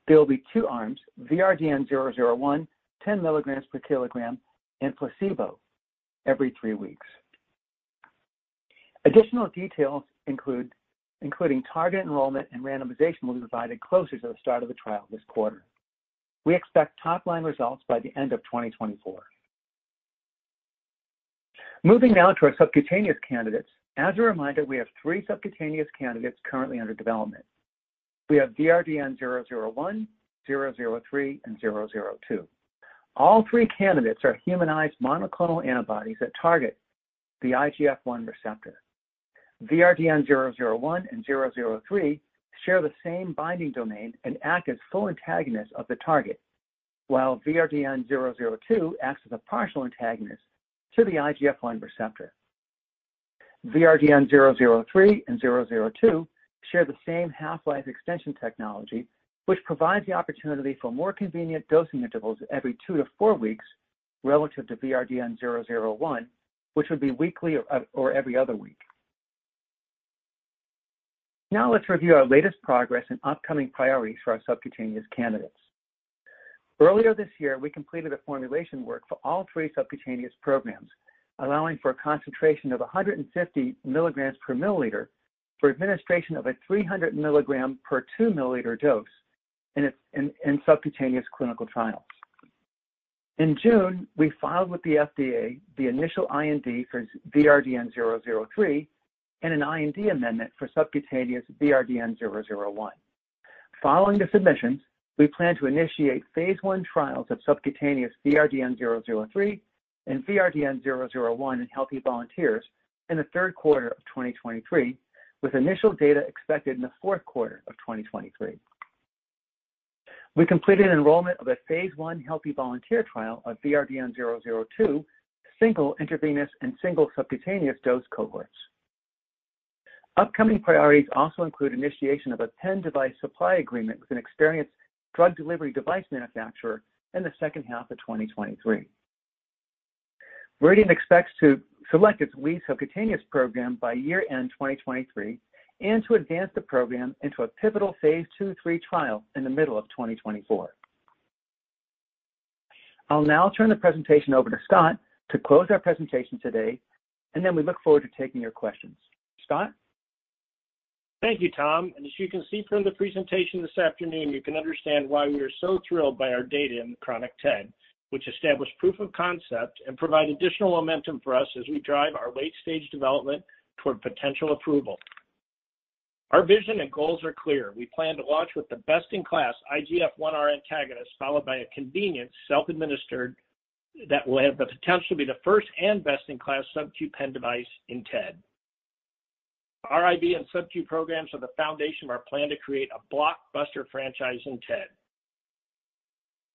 There will be two arms: VRDN-001, 10 mg/kg and placebo every three weeks. Additional details include, including target enrollment and randomization, will be provided closer to the start of the trial this quarter. We expect top-line results by the end of 2024. Moving now to our subcutaneous candidates. As a reminder, we have three subcutaneous candidates currently under development. We have VRDN-001, VRDN-003, and VRDN-002. All three candidates are humanized monoclonal antibodies that target the IGF-1R. VRDN-001 and VRDN-003 share the same binding domain and act as full antagonists of the target, while VRDN-002 acts as a partial antagonist to the IGF-1R. VRDN-003 and VRDN-002 share the same half-life extension technology, which provides the opportunity for more convenient dosing intervals every 2-4 weeks, relative to VRDN-001, which would be weekly or every other week. Let's review our latest progress and upcoming priorities for our subcutaneous candidates. Earlier this year, we completed a formulation work for all three subcutaneous programs, allowing for a concentration of 150 mg/mL, for administration of a 300 mg per 2 mL dose in subcutaneous clinical trials. In June, we filed with the FDA the initial IND for VRDN-003, and an IND amendment for subcutaneous VRDN-001. Following the submissions, we plan to initiate phase I trials of subcutaneous VRDN-003 and VRDN-001 in healthy volunteers in the third quarter of 2023, with initial data expected in the fourth quarter of 2023. We completed an enrollment of a phase I healthy volunteer trial of VRDN-002, single intravenous and single subcutaneous dose cohorts. Upcoming priorities also include initiation of a pen device supply agreement with an experienced drug delivery device manufacturer in the second half of 2023. Viridian expects to select its lead subcutaneous program by year-end 2023, and to advance the program into a pivotal phase II/III trial in the middle of 2024. I'll now turn the presentation over to Scott to close our presentation today, and then we look forward to taking your questions. Scott? Thank you, Tom. As you can see from the presentation this afternoon, you can understand why we are so thrilled by our data in the chronic TED, which established proof of concept and provide additional momentum for us as we drive our late-stage development toward potential approval. Our vision and goals are clear. We plan to launch with the best-in-class IGF-1R antagonist, followed by a convenient, self-administered that will have the potential to be the first and best-in-class subq pen device in TED. Our IV and subq programs are the foundation of our plan to create a blockbuster franchise in TED.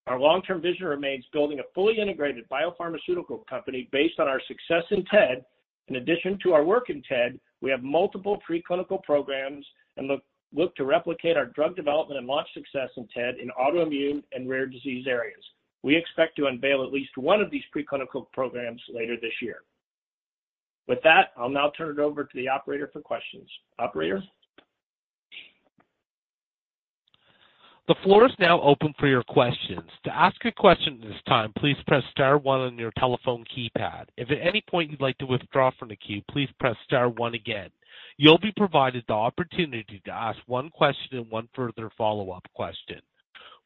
Our long-term vision remains building a fully integrated biopharmaceutical company based on our success in TED. In addition to our work in TED, we have multiple preclinical programs and look to replicate our drug development and launch success in TED, in autoimmune and rare disease areas. We expect to unveil at least one of these preclinical programs later this year. With that, I'll now turn it over to the operator for questions. Operator? The floor is now open for your questions. To ask a question at this time, please press star one on your telephone keypad. If at any point you'd like to withdraw from the queue, please press star one again. You'll be provided the opportunity to ask one question and one further follow-up question.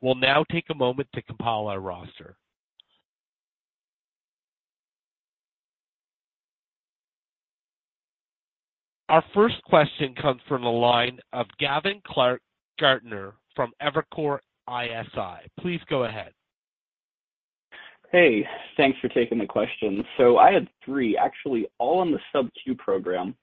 We'll now take a moment to compile our roster. Our first question comes from the line of Gavin Clark-Gartner from Evercore ISI. Please go ahead. Hey, thanks for taking the question. I had three, actually, all on the subq program.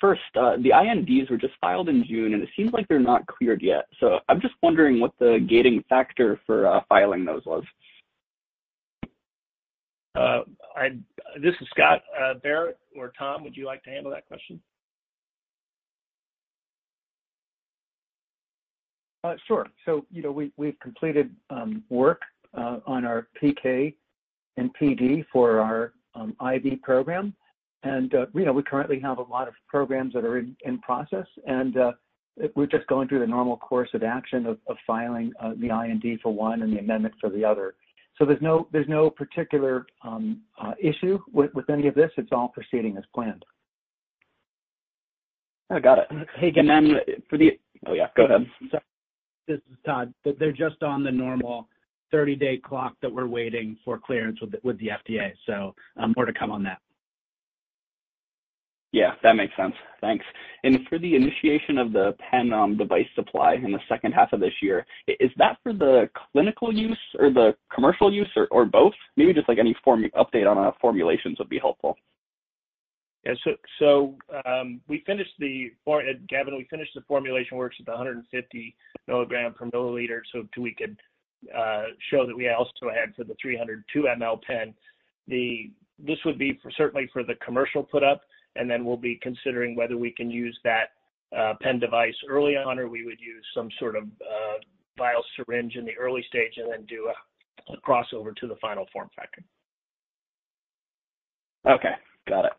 First, the INDs were just filed in June, and it seems like they're not cleared yet. I'm just wondering what the gating factor for filing those was. This is Scott, Barrett or Tom, would you like to handle that question? Sure. You know, we've completed work on our PK and PD for our IV program, and, you know, we currently have a lot of programs that are in process, and we're just going through the normal course of action of filing the IND for one and the amendment for the other. There's no, there's no particular issue with any of this. It's all proceeding as planned. Oh, got it. Hey, Gavin. Oh, yeah, go ahead. Sorry, this is Todd. They're just on the normal 30-day clock that we're waiting for clearance with the FDA, more to come on that. Yeah, that makes sense. Thanks. For the initiation of the pen device supply in the second half of this year, is that for the clinical use or the commercial use or both? Maybe just like any form, update on our formulations would be helpful. Yeah. We finished the Gavin, we finished the formulation works at 150 mg/ml, so we could show that we also had for the 300 2 ml pen. This would be for, certainly for the commercial put up, and then we'll be considering whether we can use that pen device early on, or we would use some sort of vial syringe in the early stage and then do a crossover to the final form factor. Okay, got it.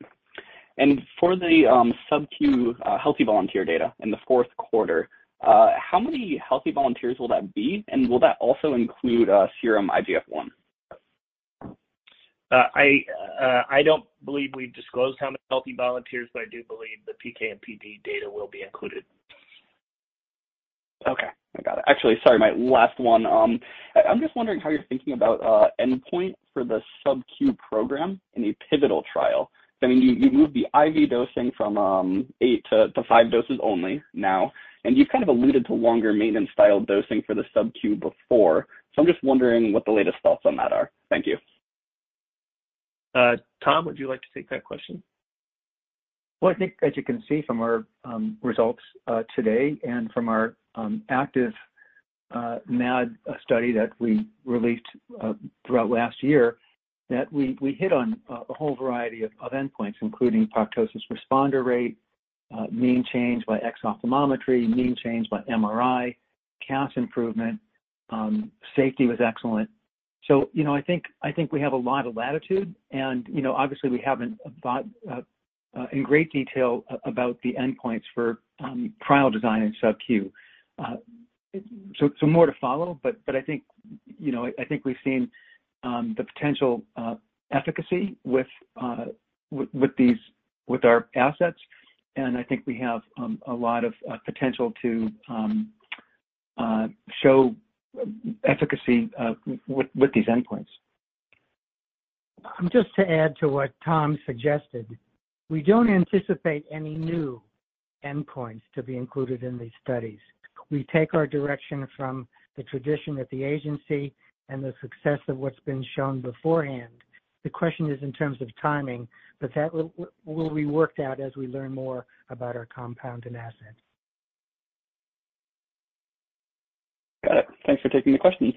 For the subq healthy volunteer data in the fourth quarter, how many healthy volunteers will that be? Will that also include serum IGF-1? I don't believe we've disclosed how many healthy volunteers, but I do believe the PK and PD data will be included.... I got it. Actually, sorry, my last one. I'm just wondering how you're thinking about endpoint for the subq program in a pivotal trial. I mean, you moved the IV dosing from eight to five doses only now, and you've kind of alluded to longer maintenance-style dosing for the subq before. I'm just wondering what the latest thoughts on that are. Thank you. Tom, would you like to take that question? Well, I think as you can see from our results today and from our active MAD study that we released throughout last year, that we hit on a whole variety of endpoints, including proptosis responder rate, mean change by exophthalmometry, mean change by MRI, CAS improvement, safety was excellent. You know, I think we have a lot of latitude and, you know, obviously we haven't thought in great detail about the endpoints for trial design and subq. So more to follow, but I think, you know, I think we've seen the potential efficacy with our assets, and I think we have a lot of potential to show efficacy with these endpoints. Just to add to what Tom suggested, we don't anticipate any new endpoints to be included in these studies. We take our direction from the tradition at the agency and the success of what's been shown beforehand. The question is in terms of timing, that will be worked out as we learn more about our compound and asset. Got it. Thanks for taking the questions.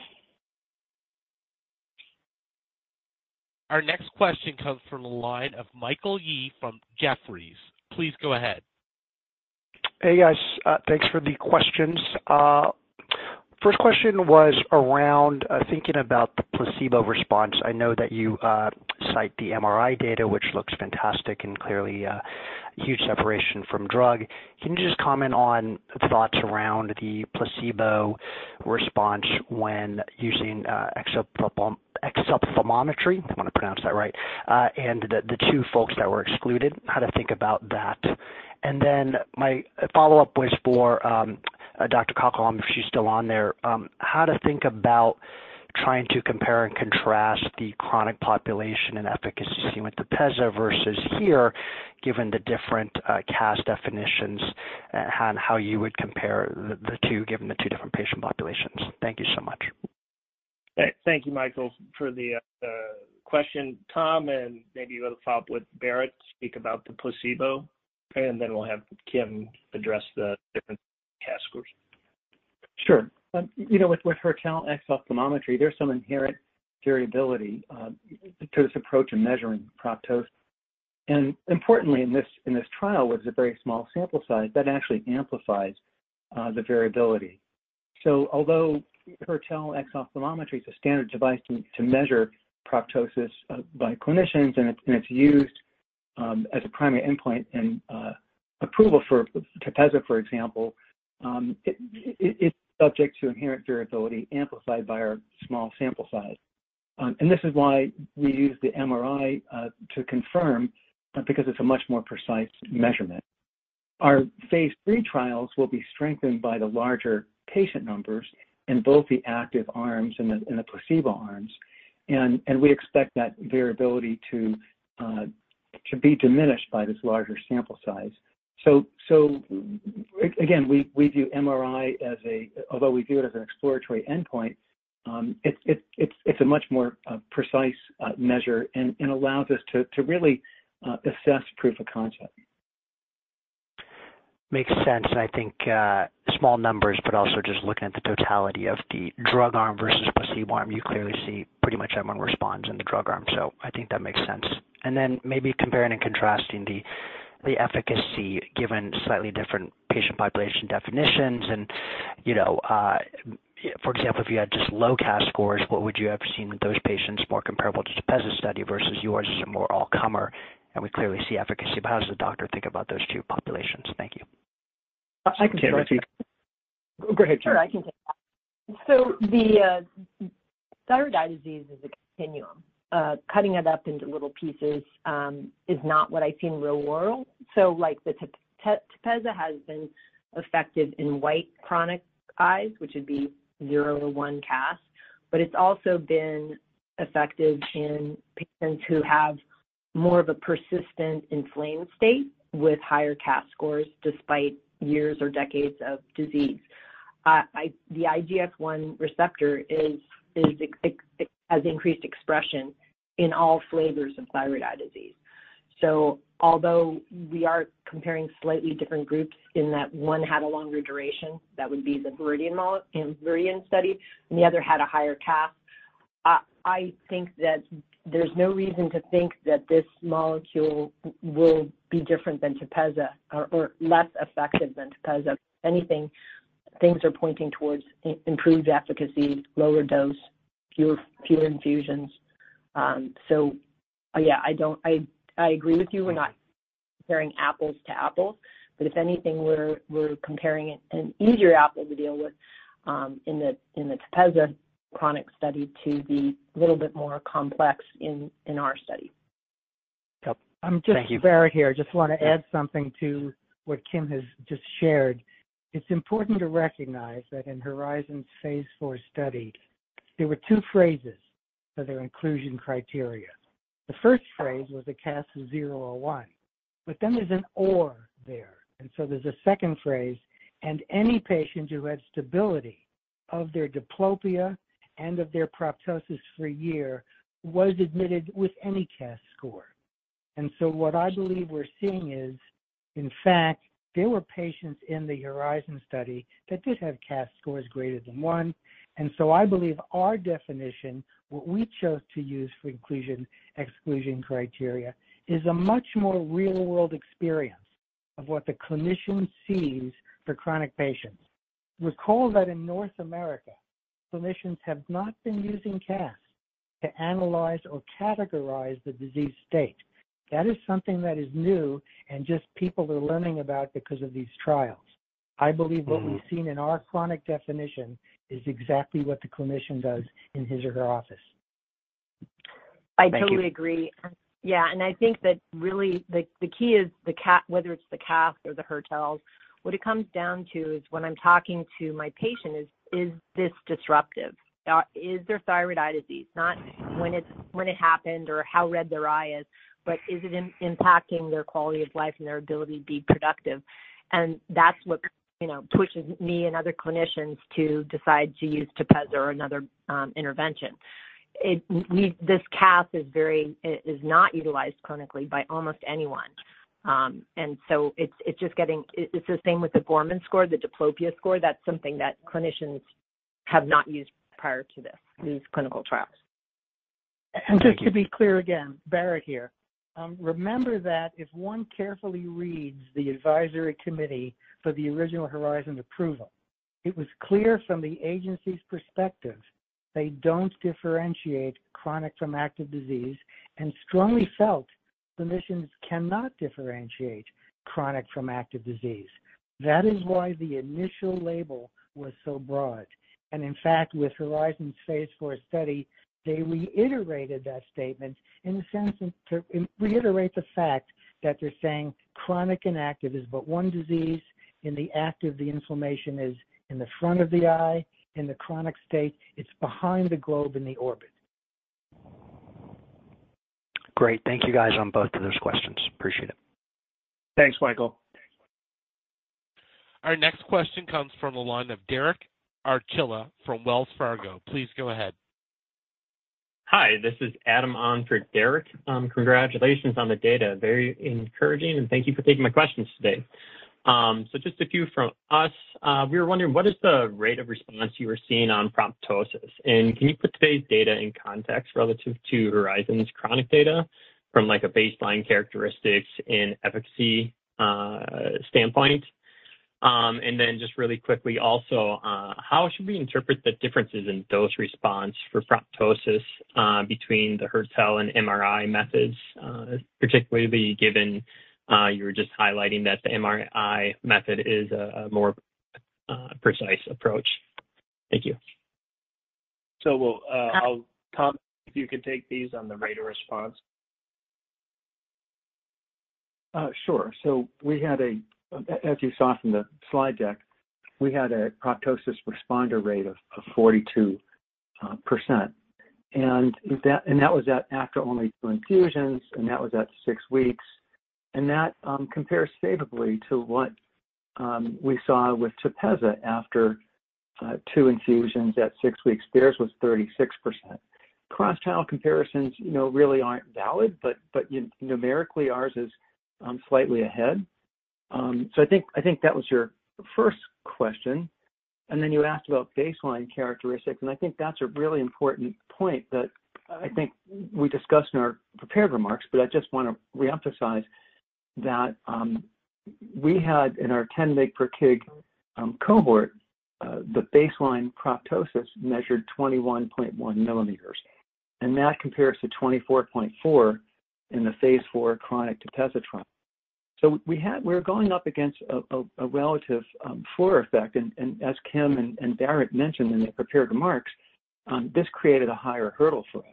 Our next question comes from the line of Michael Yee from Jefferies. Please go ahead. Hey, guys, thanks for the questions. First question was around thinking about the placebo response. I know that you cite the MRI data, which looks fantastic and clearly huge separation from drug. Can you just comment on thoughts around the placebo response when using [exophthalmometry]? I want to pronounce that right. The two folks that were excluded, how to think about that. My follow-up was for Dr. Cockerham, if she's still on there, how to think about trying to compare and contrast the chronic population and efficacy with TEPEZZA versus here, given the different CAS definitions, and how you would compare the two, given the two different patient populations? Thank you so much. Thank you, Michael, for the question. Tom, and maybe you want to follow up with Barrett, speak about the placebo, and then we'll have Kim address the different CAS scores. Sure. You know, with Hertel exophthalmometer, there's some inherent variability to this approach in measuring proptosis. Importantly, in this trial, was a very small sample size, that actually amplifies the variability. Although Hertel exophthalmometer is a standard device to measure proptosis by clinicians, and it's used as a primary endpoint in approval for TEPEZZA, for example, it's subject to inherent variability amplified by our small sample size. This is why we use the MRI to confirm, because it's a much more precise measurement. Our phase III trials will be strengthened by the larger patient numbers in both the active arms and the placebo arms, and we expect that variability to be diminished by this larger sample size. Again, we view MRI. Although we view it as an exploratory endpoint, it's a much more precise measure and allows us to really assess proof of concept. Makes sense. I think small numbers, but also just looking at the totality of the drug arm versus placebo arm, you clearly see pretty much everyone responds in the drug arm. I think that makes sense. Then maybe comparing and contrasting the efficacy given slightly different patient population definitions and, you know, for example, if you had just low CAS scores, what would you have seen with those patients more comparable to TEPEZZA study versus yours is a more all-comer, and we clearly see efficacy. How does the doctor think about those two populations? Thank you. I can take- Go ahead, Kim. Sure, I can take that. The thyroid eye disease is a continuum. Cutting it up into little pieces is not what I see in real world. Like the TEPEZZA has been effective in white chronic eyes, which would be 0-1 CAS, but it's also been effective in patients who have more of a persistent inflamed state with higher CAS scores despite years or decades of disease. The IGF-1 receptor has increased expression in all flavors of thyroid eye disease. Although we are comparing slightly different groups in that one had a longer duration, that would be the Viridian mark in Viridian study, and the other had a higher CAS, I think that there's no reason to think that this molecule will be different than TEPEZZA or less effective than TEPEZZA. If anything, things are pointing towards improved efficacy, lower dose, fewer infusions. Yeah, I agree with you. We're not comparing apples to apples, but if anything, we're comparing an easier apple to deal with in the TEPEZZA chronic study to the little bit more complex in our study. I'm just Barrett here. I just want to add something to what Kim has just shared. It's important to recognize that in HORIZON's phase IV study, there were two phrases for their inclusion criteria. The first phrase was a CAS of zero or one. There's an or there, and so there's a second phrase, and any patient who had stability of their diplopia and of their proptosis for a year was admitted with any CAS score. What I believe we're seeing is, in fact, there were patients in the HORIZON study that did have CAS scores greater than one. I believe our definition, what we chose to use for inclusion, exclusion criteria, is a much more real-world experience of what the clinician sees for chronic patients. Recall that in North America, clinicians have not been using CAS to analyze or categorize the disease state. That is something that is new and just people are learning about because of these trials. I believe what we've seen in our chronic definition is exactly what the clinician does in his or her office. Thank you. I totally agree. Yeah, I think that really the key is the CAS, whether it's the CAS or the Hertels, what it comes down to is when I'm talking to my patient is: Is this disruptive? Is there thyroid eye disease? Not when it's, when it happened or how red their eye is, but is it impacting their quality of life and their ability to be productive? That's what, you know, pushes me and other clinicians to decide to use TEPEZZA or another intervention. This CAS is very, it is not utilized clinically by almost anyone. It's just getting... It's the same with the Gorman score, the diplopia score. That's something that clinicians have not used prior to this, these clinical trials. Just to be clear again, Barrett here. Remember that if one carefully reads the advisory committee for the original HORIZON approval, it was clear from the agency's perspective, they don't differentiate chronic from active disease and strongly felt clinicians cannot differentiate chronic from active disease. That is why the initial label was so broad. In fact, with HORIZON's phase IV study, they reiterated that statement in the sense of reiterate the fact that they're saying chronic and active is but one disease. In the active, the inflammation is in the front of the eye. In the chronic state, it's behind the globe in the orbit. Great. Thank you, guys, on both of those questions. Appreciate it. Thanks, Michael. Our next question comes from the line of Derek Archila from Wells Fargo. Please go ahead. Hi, this is Adam on for Derek. Congratulations on the data. Very encouraging, and thank you for taking my questions today. Just a few from us. We were wondering, what is the rate of response you were seeing on proptosis? Can you put today's data in context relative to HORIZON's chronic data from, like, a baseline characteristics in efficacy standpoint? Just really quickly, also, how should we interpret the differences in dose response for proptosis, between the Hertel and MRI methods, particularly given, you were just highlighting that the MRI method is a more precise approach? Thank you. Tom, if you could take these on the rate of response. Sure. we had a, as you saw from the slide deck, we had a proptosis responder rate of 42%. That was at after only two infusions, and that was at six weeks. That compares favorably to what we saw with TEPEZZA after two infusions at six weeks. Theirs was 36%. Cross-trial comparisons, you know, really aren't valid, but numerically, ours is slightly ahead. I think that was your first question, and then you asked about baseline characteristics, and I think that's a really important point that we discussed in our prepared remarks. I just want to reemphasize that we had in our 10 mg/kg cohort, the baseline proptosis measured 21.1 mm, and that compares to 24.4 mm in the phase IV chronic TEPEZZA trial. We were going up against a relative floor effect, and as Kim and Barrett mentioned in their prepared remarks, this created a higher hurdle for us.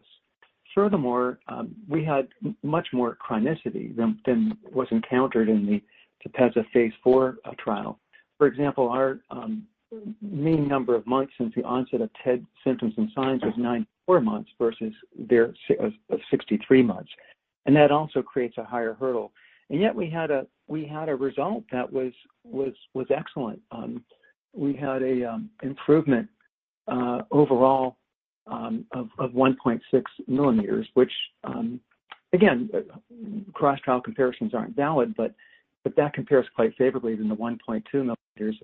Furthermore, we had much more chronicity than was encountered in the TEPEZZA phase IV trial. For example, our mean number of months since the onset of TED symptoms and signs was 94 months versus their 63 months. That also creates a higher hurdle. Yet we had a result that was excellent. We had a improvement overall of 1.6 mm, which again, cross-trial comparisons aren't valid, that compares quite favorably than the 1.2 mm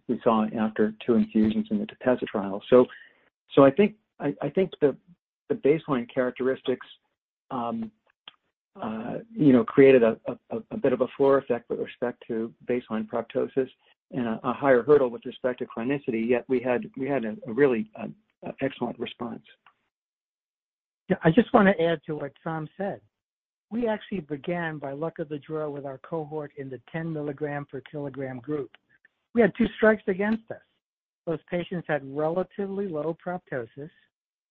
we saw after two infusions in the TEPEZZA trial. I think the baseline characteristics, you know, created a bit of a floor effect with respect to baseline proptosis and a higher hurdle with respect to chronicity, yet we had a really excellent response. Yeah, I just want to add to what Tom said. We actually began, by luck of the draw, with our cohort in the 10 mg/kg group. We had two strikes against us. Those patients had relatively low proptosis,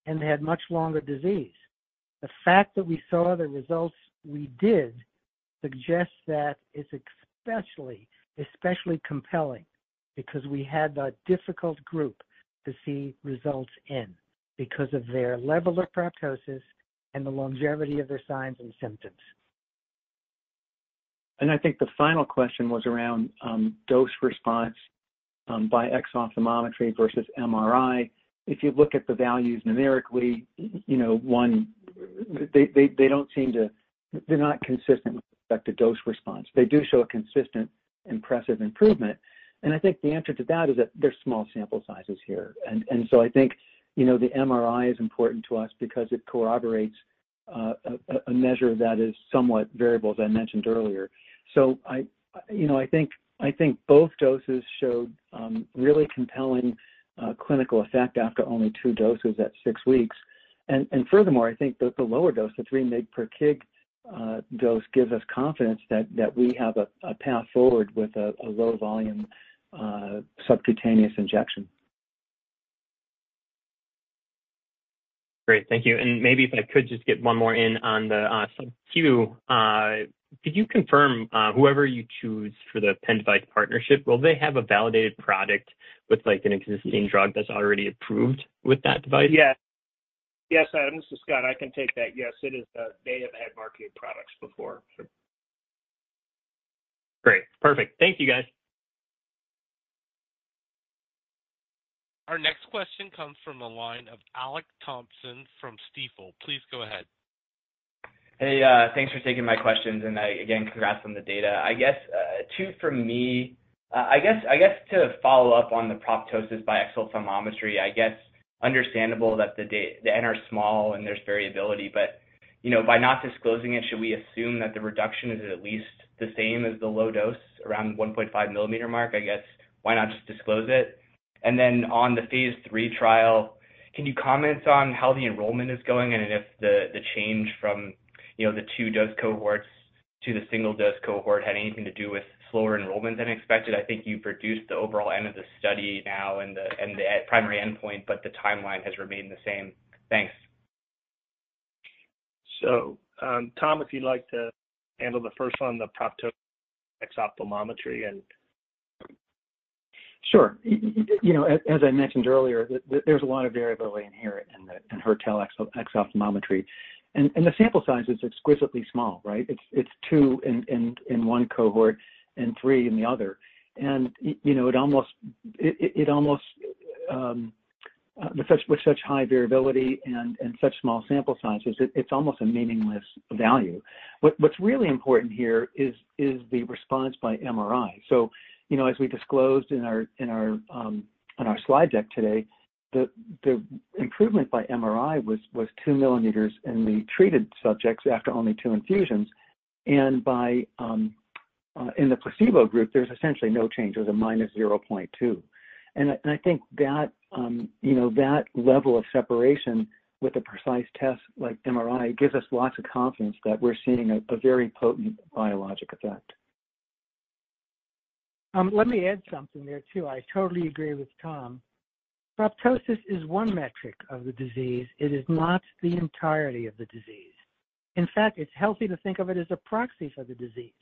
and they had much longer disease. The fact that we saw the results we did suggests that it's especially compelling because we had a difficult group to see results in because of their level of proptosis and the longevity of their signs and symptoms. I think the final question was around dose response by exophthalmometry versus MRI. If you look at the values numerically, you know, one, they're not consistent with respect to dose response. They do show a consistent, impressive improvement, and I think the answer to that is that they're small sample sizes here. I think, you know, the MRI is important to us because it corroborates a measure that is somewhat variable, as I mentioned earlier. I, you know, I think both doses showed really compelling clinical effect after only two doses at six weeks. Furthermore, I think the lower dose, the 3 mg/kg dose, gives us confidence that we have a path forward with a low volume subcutaneous injection. Great. Thank you. Maybe if I could just get one more in on the subq. Could you confirm, whoever you choose for the pen device partnership, will they have a validated product with, like, an existing drug that's already approved with that device? Yes. Yes, Adam, this is Scott. I can take that. Yes, it is. They have had marketed products before, so. Great. Perfect. Thank you, guys. Our next question comes from the line of Alex Thompson from Stifel. Please go ahead. Hey, thanks for taking my questions. Again, congrats on the data. I guess, two for me. I guess to follow up on the proptosis by exophthalmometry, I guess understandable that the N are small and there's variability, you know, by not disclosing it, should we assume that the reduction is at least the same as the low dose, around 1.5 mm mark? I guess, why not just disclose it? Then on the phase III trial, can you comment on how the enrollment is going and if the change from, you know, the two-dose cohorts to the single-dose cohort had anything to do with slower enrollment than expected? I think you reduced the overall end of the study now and the primary endpoint, the timeline has remained the same. Thanks. Tom, if you'd like to handle the first one, the proptosis exophthalmometry. Sure. You know, as I mentioned earlier, there's a lot of variability in here in the Hertel exophthalmometry. The sample size is exquisitely small, right? It's two in one cohort and three in the other. You know, it almost with such high variability and such small sample sizes, it's almost a meaningless value. What's really important here is the response by MRI. You know, as we disclosed in our slide deck today, the improvement by MRI was 2 mm in the treated subjects after only two infusions. By in the placebo group, there's essentially no change. There's a -0.2. I think that, you know, that level of separation with a precise test like MRI, gives us lots of confidence that we're seeing a very potent biologic effect. Let me add something there, too. I totally agree with Tom. Proptosis is one metric of the disease. It is not the entirety of the disease. In fact, it's healthy to think of it as a proxy for the disease.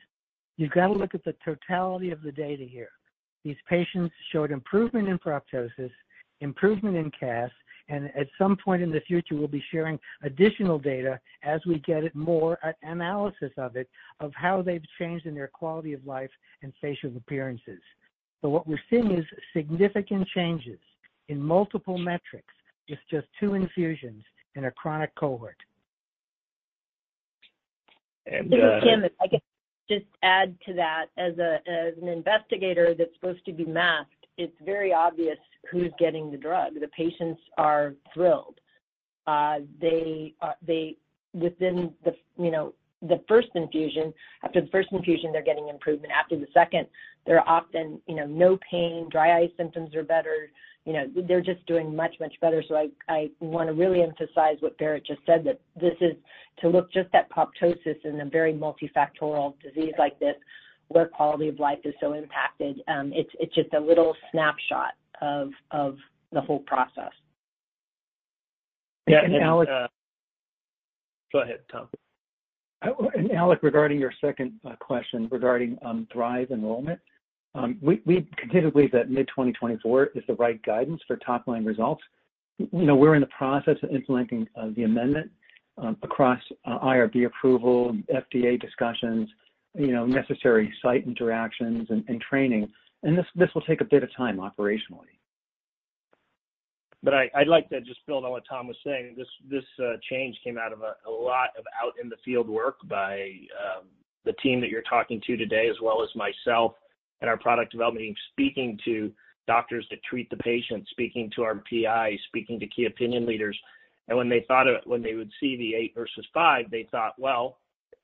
You've got to look at the totality of the data here. These patients showed improvement in proptosis, improvement in CAS, and at some point in the future, we'll be sharing additional data as we get it, more analysis of it, of how they've changed in their quality of life and facial appearances. What we're seeing is significant changes in multiple metrics with just two infusions in a chronic cohort. This is Kim. If I could just add to that, as an investigator that's supposed to be masked, it's very obvious who's getting the drug. The patients are thrilled. They, within the, you know, the first infusion, after the first infusion, they're getting improvement. After the second, they're often, you know, no pain, dry eye symptoms are better. You know, they're just doing much, much better. So I want to really emphasize what Barrett just said, that this is to look just at proptosis in a very multifactorial disease like this, where quality of life is so impacted, it's just a little snapshot of the whole process. Yeah- Go ahead, Tom. Alex, regarding your second question regarding THRIVE enrollment, we continue to believe that mid-2024 is the right guidance for top-line results. You know, we're in the process of implementing the amendment across IRB approval, FDA discussions, you know, necessary site interactions and training, and this will take a bit of time operationally. I'd like to just build on what Tom was saying. This change came out of a lot of out in the field work by the team that you're talking to today, as well as myself and our product development team, speaking to doctors that treat the patients, speaking to our PIs, speaking to key opinion leaders. When they would see the eight versus five, they thought, well,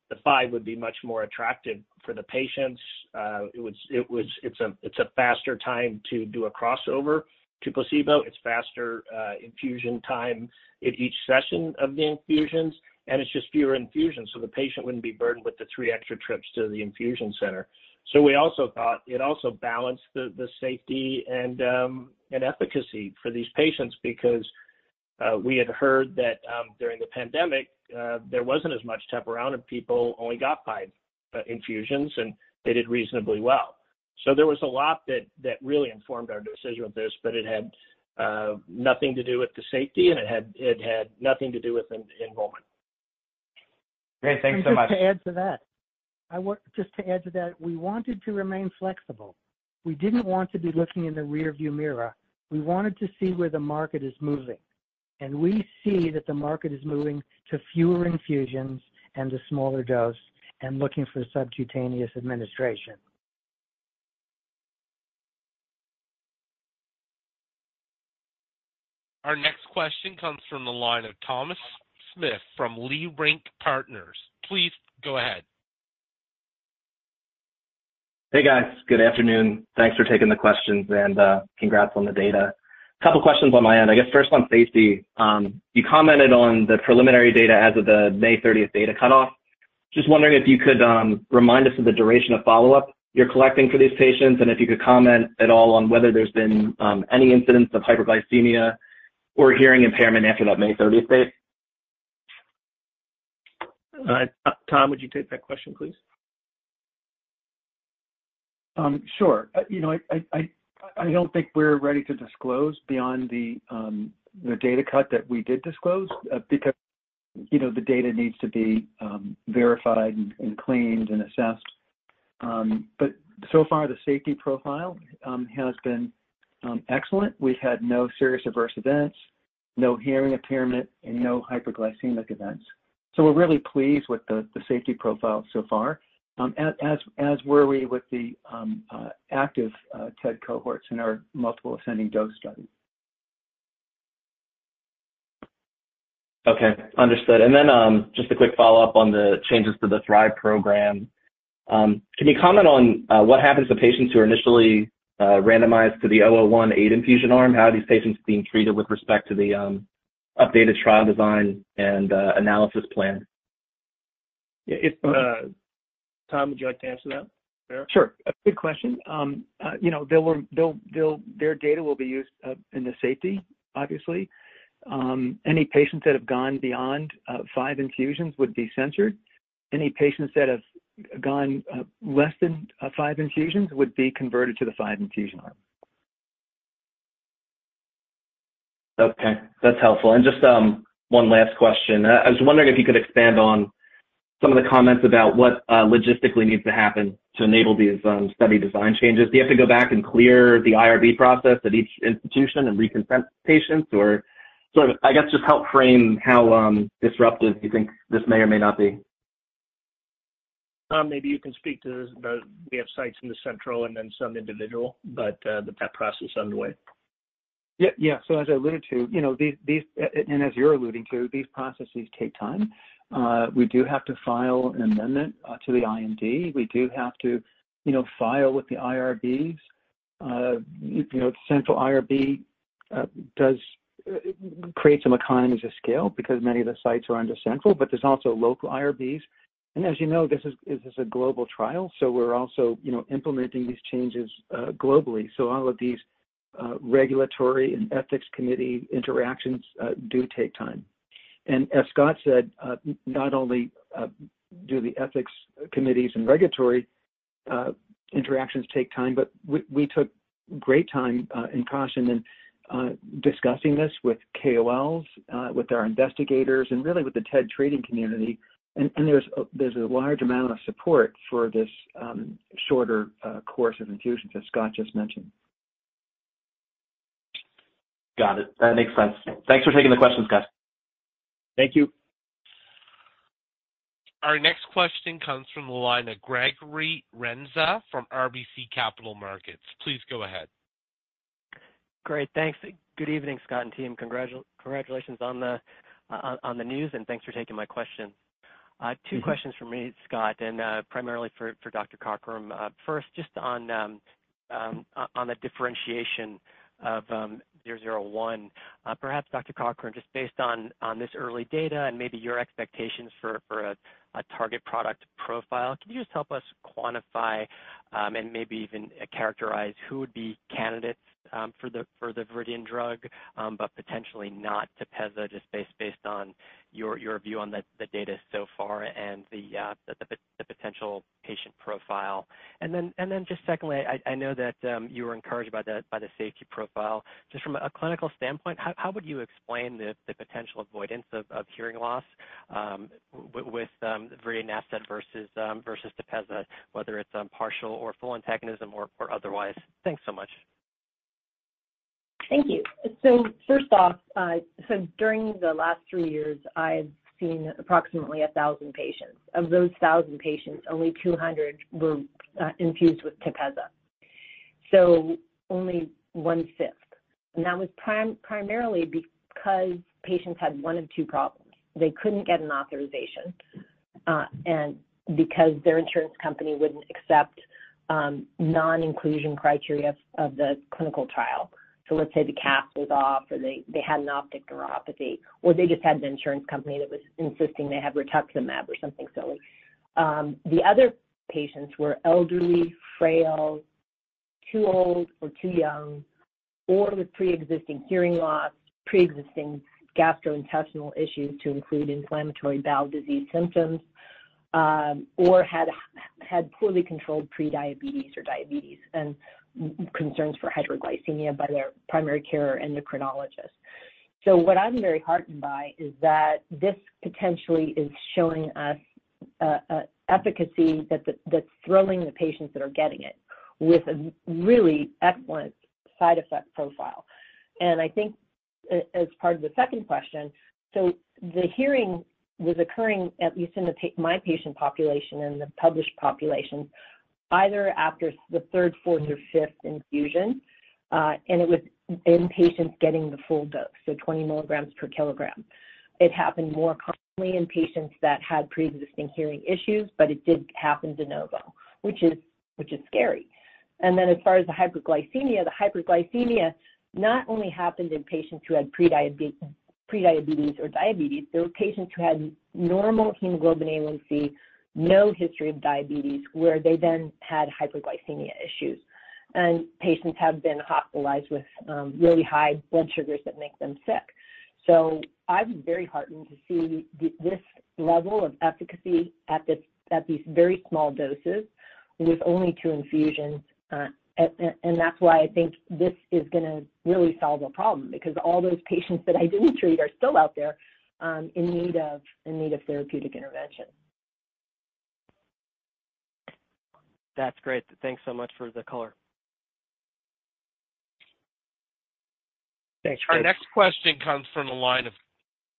the five would be much more attractive for the patients. It's a faster time to do a crossover to placebo. It's faster infusion time at each session of the infusions, and it's just fewer infusions, so the patient wouldn't be burdened with the three extra trips to the infusion center. We also thought it also balanced the safety and and efficacy for these patients because we had heard that, during the pandemic, there wasn't as much TEP around, and people only got five infusions, and they did reasonably well. There was a lot that really informed our decision with this, but it had nothing to do with the safety, and it had nothing to do with enrollment. Great, thanks so much. Just to add to that, we wanted to remain flexible. We didn't want to be looking in the rearview mirror. We wanted to see where the market is moving, and we see that the market is moving to fewer infusions and a smaller dose and looking for subcutaneous administration. Our next question comes from the line of Thomas Smith from Leerink Partners. Please go ahead. Hey, guys. Good afternoon. Thanks for taking the questions, and congrats on the data. A couple questions on my end. I guess, first one, safety. You commented on the preliminary data as of the May 30th data cutoff. Just wondering if you could remind us of the duration of follow-up you're collecting for these patients, and if you could comment at all on whether there's been any incidents of hyperglycemia or hearing impairment after that May 30th date? Tom, would you take that question, please? Sure. you know, I don't think we're ready to disclose beyond the data cut that we did disclose because, you know, the data needs to be verified and cleaned and assessed. So far, the safety profile has been excellent. We've had no serious adverse events, no hearing impairment, and no hyperglycemic events. We're really pleased with the safety profile so far, as were we with the active TED cohorts in our multiple ascending dose studies. Okay, understood. Then, just a quick follow-up on the changes to the THRIVE program. Can you comment on what happens to patients who are initially randomized to the VRDN-001 infusion arm? How are these patients being treated with respect to the updated trial design and analysis plan? It's, Tom, would you like to answer that fair? Sure. A good question. you know, their data will be used in the safety, obviously. Any patients that have gone beyond five infusions would be censored. Any patients that have gone less than five infusions would be converted to the five infusion arm. Okay, that's helpful. Just one last question. I was wondering if you could expand on some of the comments about what logistically needs to happen to enable these study design changes. Do you have to go back and clear the IRB process at each institution and reconsent patients? Or sort of, I guess, just help frame how disruptive you think this may or may not be? Tom, maybe you can speak to we have sites in the central and then some individual, but that process is underway. As I alluded to, you know, as you're alluding to, these processes take time. We do have to file an amendment to the IND. We do have to, you know, file with the IRBs. You know, central IRB does create some economies of scale because many of the sites are under central, but there's also local IRBs. As you know, this is a global trial, we're also, you know, implementing these changes globally. All of these regulatory and ethics committee interactions do take time. As Scott said, not only do the ethics committees and regulatory interactions take time, we took great time and caution in discussing this with KOLs, with our investigators, and really with the TED treating community. There's a large amount of support for this, shorter course of infusions, as Scott just mentioned. Got it. That makes sense. Thanks for taking the questions, guys. Thank you. Our next question comes from the line of Gregory Renza from RBC Capital Markets. Please go ahead. Great. Thanks. Good evening, Scott and team. Congratulations on the news, thanks for taking my question. Two questions from me, Scott, primarily for Dr. Cockerham. First, just on the differentiation of VRDN-001. Perhaps Dr. Cockerham, just based on this early data and maybe your expectations for a target product profile, could you just help us quantify and maybe even characterize who would be candidates for the Viridian drug, but potentially not TEPEZZA, just based on your view on the data so far and the potential patient profile? Then just secondly, I know that you were encouraged by the safety profile. Just from a clinical standpoint, how would you explain the potential avoidance of hearing loss with the Viridian asset versus TEPEZZA, whether it's partial or full antagonism or otherwise? Thanks so much. Thank you. First off, during the last three years, I've seen approximately 1,000 patients. Of those 1,000 patients, only 200 were infused with TEPEZZA, so only 1/5. That was primarily because patients had one of two problems. They couldn't get an authorization, and because their insurance company wouldn't accept non-inclusion criteria of the clinical trial. Let's say the cap was off, or they had an optic neuropathy, or they just had the insurance company that was insisting they have rituximab or something silly. The other patients were elderly, frail, too old or too young, or with preexisting hearing loss, preexisting gastrointestinal issues to include inflammatory bowel disease symptoms, or had poorly controlled prediabetes or diabetes and concerns for hyperglycemia by their primary care endocrinologist. What I'm very heartened by is that this potentially is showing us efficacy that's thrilling the patients that are getting it, with a really excellent side effect profile. I think as part of the second question, the hearing was occurring, at least in my patient population and the published population, either after the third, fourth, or fifth infusion, and it was in patients getting the full dose, so 20 mg/kg. It happened more commonly in patients that had preexisting hearing issues, but it did happen de novo, which is scary. As far as the hyperglycemia, the hyperglycemia not only happened in patients who had prediabetes or diabetes. There were patients who had normal hemoglobin A1C, no history of diabetes, where they then had hyperglycemia issues. Patients have been hospitalized with really high blood sugars that make them sick. I'm very heartened to see this level of efficacy at these very small doses with only two infusions. That's why I think this is gonna really solve a problem because all those patients that I didn't treat are still out there in need of therapeutic intervention. That's great. Thanks so much for the color. Thanks. Our next question comes from the line of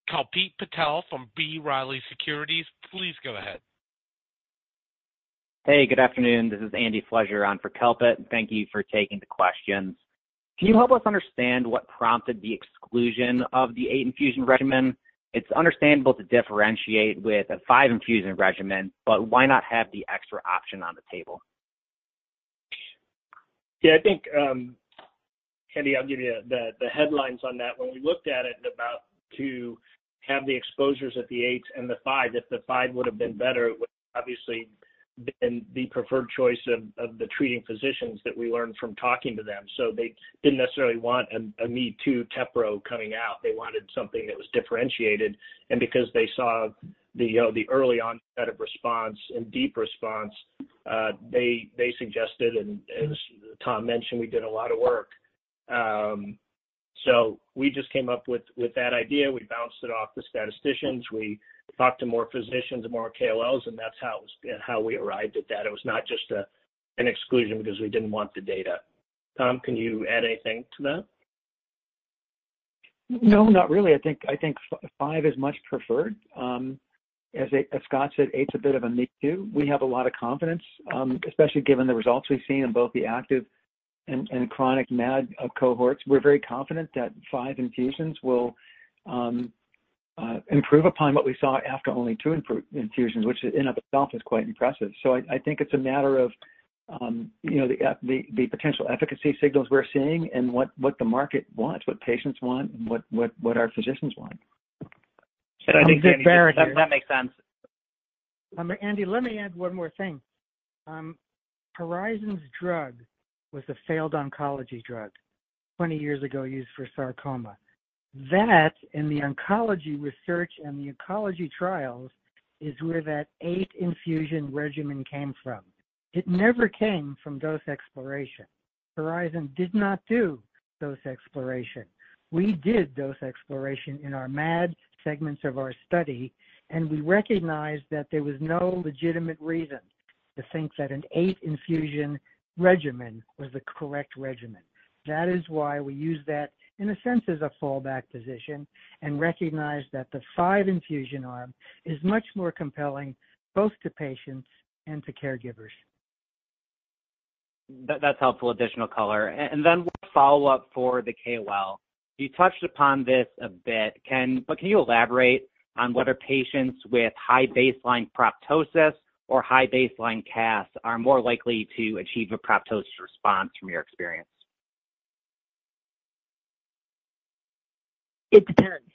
Kalpit Patel from B. Riley Securities. Please go ahead. Hey, good afternoon. This is [Andy Fleischer] on for Kalpit. Thank you for taking the questions. Can you help us understand what prompted the exclusion of the eight infusion regimen? It's understandable to differentiate with a five infusion regimen. Why not have the extra option on the table? I think Andy, I'll give you the headlines on that. When we looked at it, about to have the exposures at the eight and the five, if the five would've been better, it would obviously been the preferred choice of the treating physicians that we learned from talking to them. They didn't necessarily want a me-too tepro coming out. They wanted something that was differentiated. Because they saw the early onset of response and deep response, they suggested, as Tom mentioned, we did a lot of work. We just came up with that idea. We bounced it off the statisticians. We talked to more physicians and more KOLs, and that's how we arrived at that. It was not just an exclusion because we didn't want the data. Tom, can you add anything to that? No, not really. I think, I think five is much preferred. As Scott said, eight's a bit of a me-too. We have a lot of confidence, especially given the results we've seen in both the active and chronic MAD cohorts. We're very confident that five infusions will improve upon what we saw after only two infusions, which in of itself is quite impressive. I think it's a matter of, you know, the potential efficacy signals we're seeing and what the market wants, what patients want, and what our physicians want. That makes sense. Andy, let me add one more thing. HORIZON's drug was a failed oncology drug 20 years ago, used for sarcoma. That, in the oncology research and the ecology trials, is where that eight infusion regimen came from. It never came from dose exploration. HORIZON did not do dose exploration. We did dose exploration in our MAD segments of our study, and we recognized that there was no legitimate reason to think that an eight infusion regimen was the correct regimen. That is why we used that, in a sense, as a fallback position and recognized that the five infusion arm is much more compelling, both to patients and to caregivers. That's helpful additional color. Then one follow-up for the KOL. You touched upon this a bit. Can you elaborate on whether patients with high baseline proptosis or high baseline CAS are more likely to achieve a proptosis response from your experience? It depends.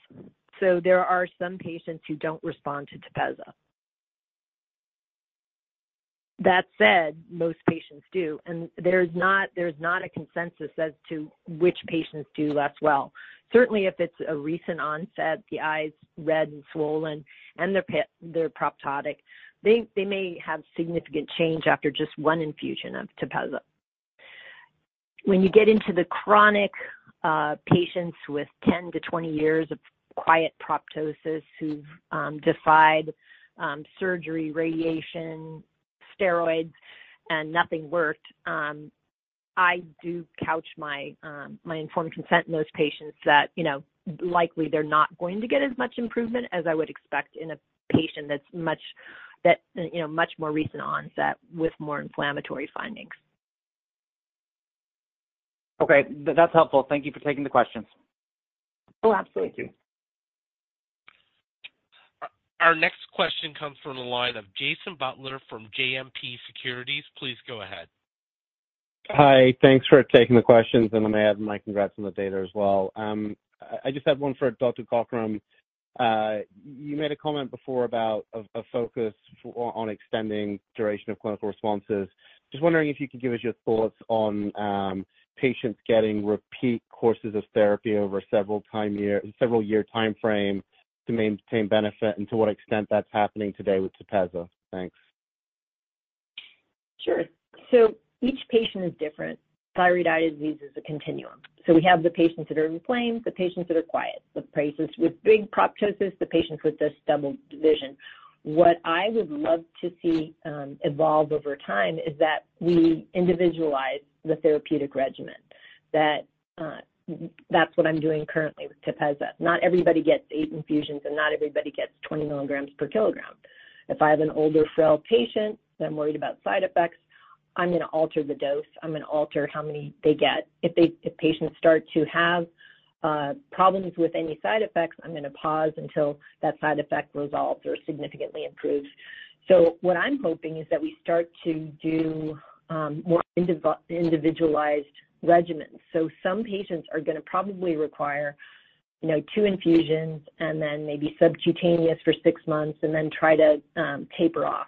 There are some patients who don't respond to TEPEZZA. That said, most patients do, and there's not a consensus as to which patients do less well. Certainly, if it's a recent onset, the eye's red and swollen and they're proptotic, they may have significant change after just one infusion of TEPEZZA. When you get into the chronic patients with 10 to 20 years of quiet proptosis who've defied surgery, radiation, steroids, and nothing worked, I do couch my informed consent in those patients that, you know, likely they're not going to get as much improvement as I would expect in a patient that's much more recent onset with more inflammatory findings. Okay. That's helpful. Thank you for taking the questions. Oh, absolutely. Our next question comes from the line of Jason Butler from JMP Securities. Please go ahead. Hi. Thanks for taking the questions, and let me add my congrats on the data as well. I just have one for Dr. Cockerham. You made a comment before about a focus on extending duration of clinical responses. Just wondering if you could give us your thoughts on patients getting repeat courses of therapy over several year time frame to maintain benefit, and to what extent that's happening today with TEPEZZA? Thanks. Sure. Each patient is different. thyroid eye disease is a continuum. We have the patients that are inflamed, the patients that are quiet, the patients with big proptosis, the patients with just double vision. What I would love to see evolve over time is that we individualize the therapeutic regimen. That's what I'm doing currently with TEPEZZA. Not everybody gets eight infusions, and not everybody gets 20 mg/kg. If I have an older, frail patient, and I'm worried about side effects, I'm gonna alter the dose. I'm gonna alter how many they get. If patients start to have problems with any side effects, I'm gonna pause until that side effect resolves or significantly improves. What I'm hoping is that we start to do more individualized regimens. Some patients are gonna probably require, you know, two infusions and then maybe subcutaneous for six months and then try to taper off.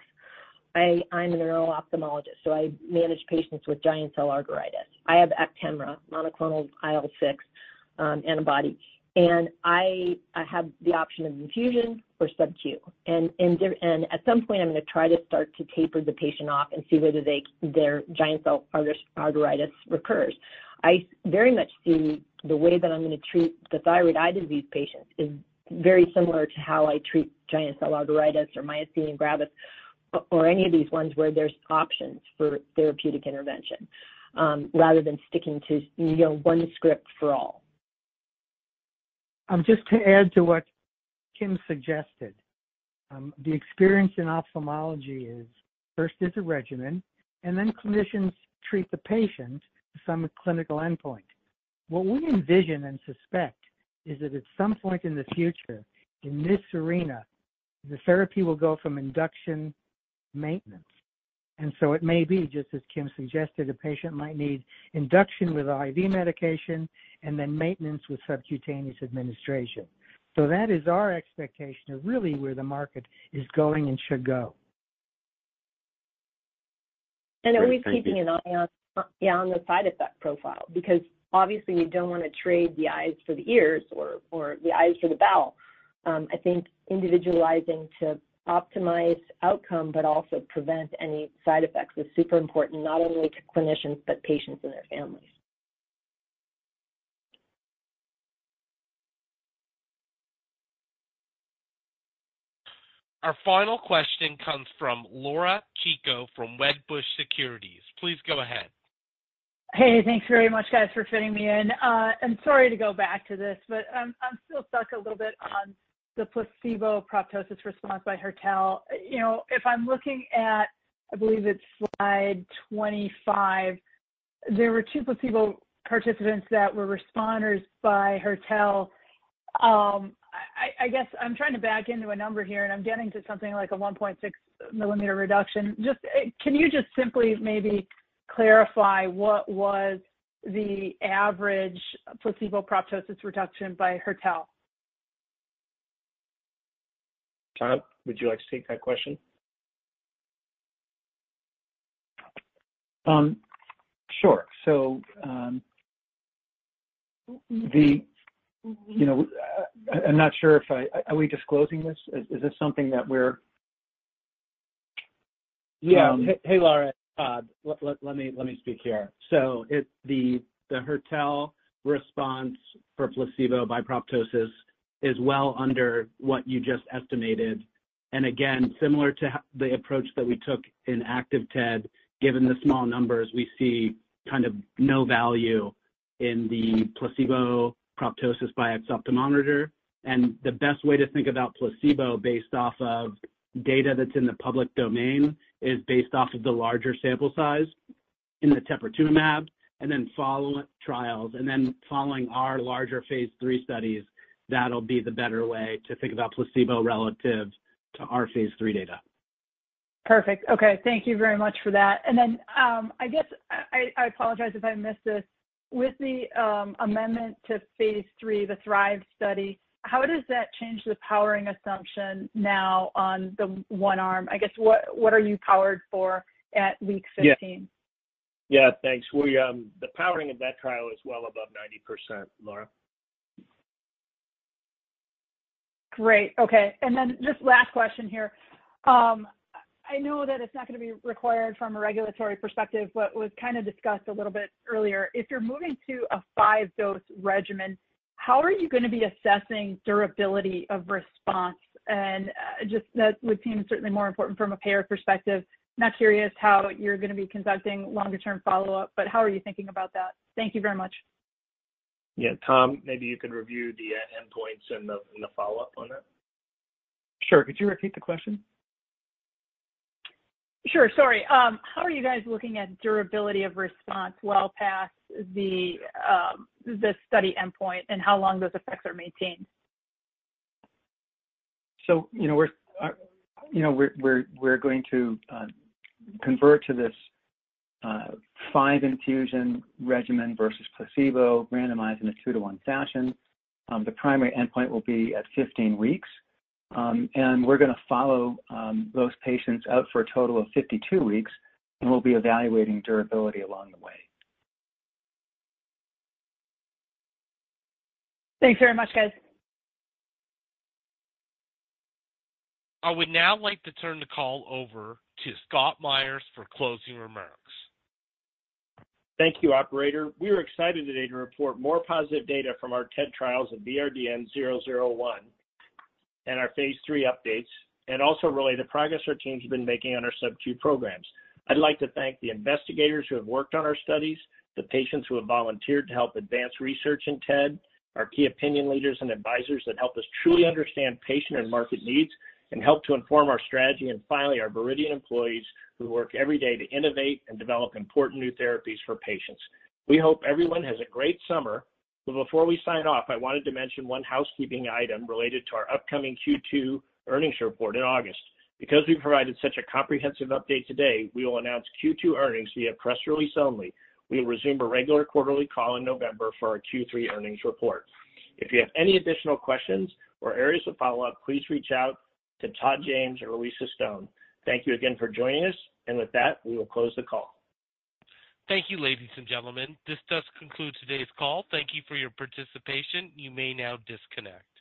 I'm a neuro-ophthalmologist. I manage patients with giant cell arteritis. I have Actemra, monoclonal IL-6 antibody. I have the option of infusion or subq. At some point, I'm gonna try to start to taper the patient off and see whether their giant cell arteritis recurs. I very much see the way that I'm gonna treat the thyroid eye disease patients is very similar to how I treat giant cell arteritis or myasthenia gravis or any of these ones where there's options for therapeutic intervention, rather than sticking to, you know, one script for all. Just to add to what Kim suggested, the experience in ophthalmology is, first it's a regimen, and then clinicians treat the patient to some clinical endpoint. What we envision and suspect is that at some point in the future, in this arena, the therapy will go from induction maintenance. It may be, just as Kim suggested, a patient might need induction with IV medication and then maintenance with subcutaneous administration. That is our expectation of really where the market is going and should go. Always keeping an eye on the side effect profile, because obviously you don't want to trade the eyes for the ears or the eyes for the bowel. I think individualizing to optimize outcome but also prevent any side effects is super important, not only to clinicians, but patients and their families. Our final question comes from Laura Chico from Wedbush Securities. Please go ahead. Hey, thanks very much, guys, for fitting me in. I'm sorry to go back to this, I'm still stuck a little bit on the placebo proptosis response by Hertel. You know, if I'm looking at, I believe it's slide 25, there were two placebo participants that were responders by Hertel. I guess I'm trying to back into a number here, and I'm getting to something like a 1.6 mm reduction. Just, can you just simply maybe clarify what was the average placebo proptosis reduction by Hertel? Tom, would you like to take that question? Sure. You know, I'm not sure if I. Are we disclosing this? Is this something that we're? Yeah. Hey, hey, Laura. Let me speak here. The Hertel response for placebo by proptosis is well under what you just estimated. Again, similar to the approach that we took in active TED, given the small numbers, we see kind of no value in the placebo proptosis by exophthalmometer. The best way to think about placebo, based off of data that's in the public domain, is based off of the larger sample size in the teprotumumab then follow-up trials. Then following our larger phase III studies, that'll be the better way to think about placebo relative to our phase III data. Perfect. Okay, thank you very much for that. I guess I apologize if I missed this. With the amendment to phase III, the THRIVE study, how does that change the powering assumption now on the one arm? I guess, what are you powered for at week 15? Yeah. Yeah, thanks. We, the powering of that trial is well above 90%, Laura. Great. Okay, just last question here. I know that it's not gonna be required from a regulatory perspective, but was kind of discussed a little bit earlier. If you're moving to a five-dose regimen, how are you gonna be assessing durability of response? Just that would seem certainly more important from a payer perspective. Not curious how you're gonna be conducting longer-term follow-up, but how are you thinking about that? Thank you very much. Yeah. Tom, maybe you could review the endpoints and the follow-up on that. Sure. Could you repeat the question? Sure. Sorry. How are you guys looking at durability of response well past the study endpoint and how long those effects are maintained? You know, we're going to convert to this five infusion regimen versus placebo, randomizing a 2 to 1 fashion. The primary endpoint will be at 15 weeks. We're gonna follow those patients out for a total of 52 weeks, and we'll be evaluating durability along the way. Thanks very much, guys. I would now like to turn the call over to Scott Myers for closing remarks. Thank you, Operator. We are excited today to report more positive data from our TED trials of VRDN-001 and our phase III updates, and also really the progress our team's been making on our subq programs. I'd like to thank the investigators who have worked on our studies, the patients who have volunteered to help advance research in TED, our key opinion leaders and advisors that help us truly understand patient and market needs and help to inform our strategy, and finally, our Viridian employees, who work every day to innovate and develop important new therapies for patients. We hope everyone has a great summer. Before we sign off, I wanted to mention one housekeeping item related to our upcoming Q2 earnings report in August. Because we've provided such a comprehensive update today, we will announce Q2 earnings via press release only. We will resume a regular quarterly call in November for our Q3 earnings report. If you have any additional questions or areas of follow-up, please reach out to Todd James or Louisa Stone. Thank you again for joining us, and with that, we will close the call. Thank you, ladies and gentlemen. This does conclude today's call. Thank you for your participation. You may now disconnect.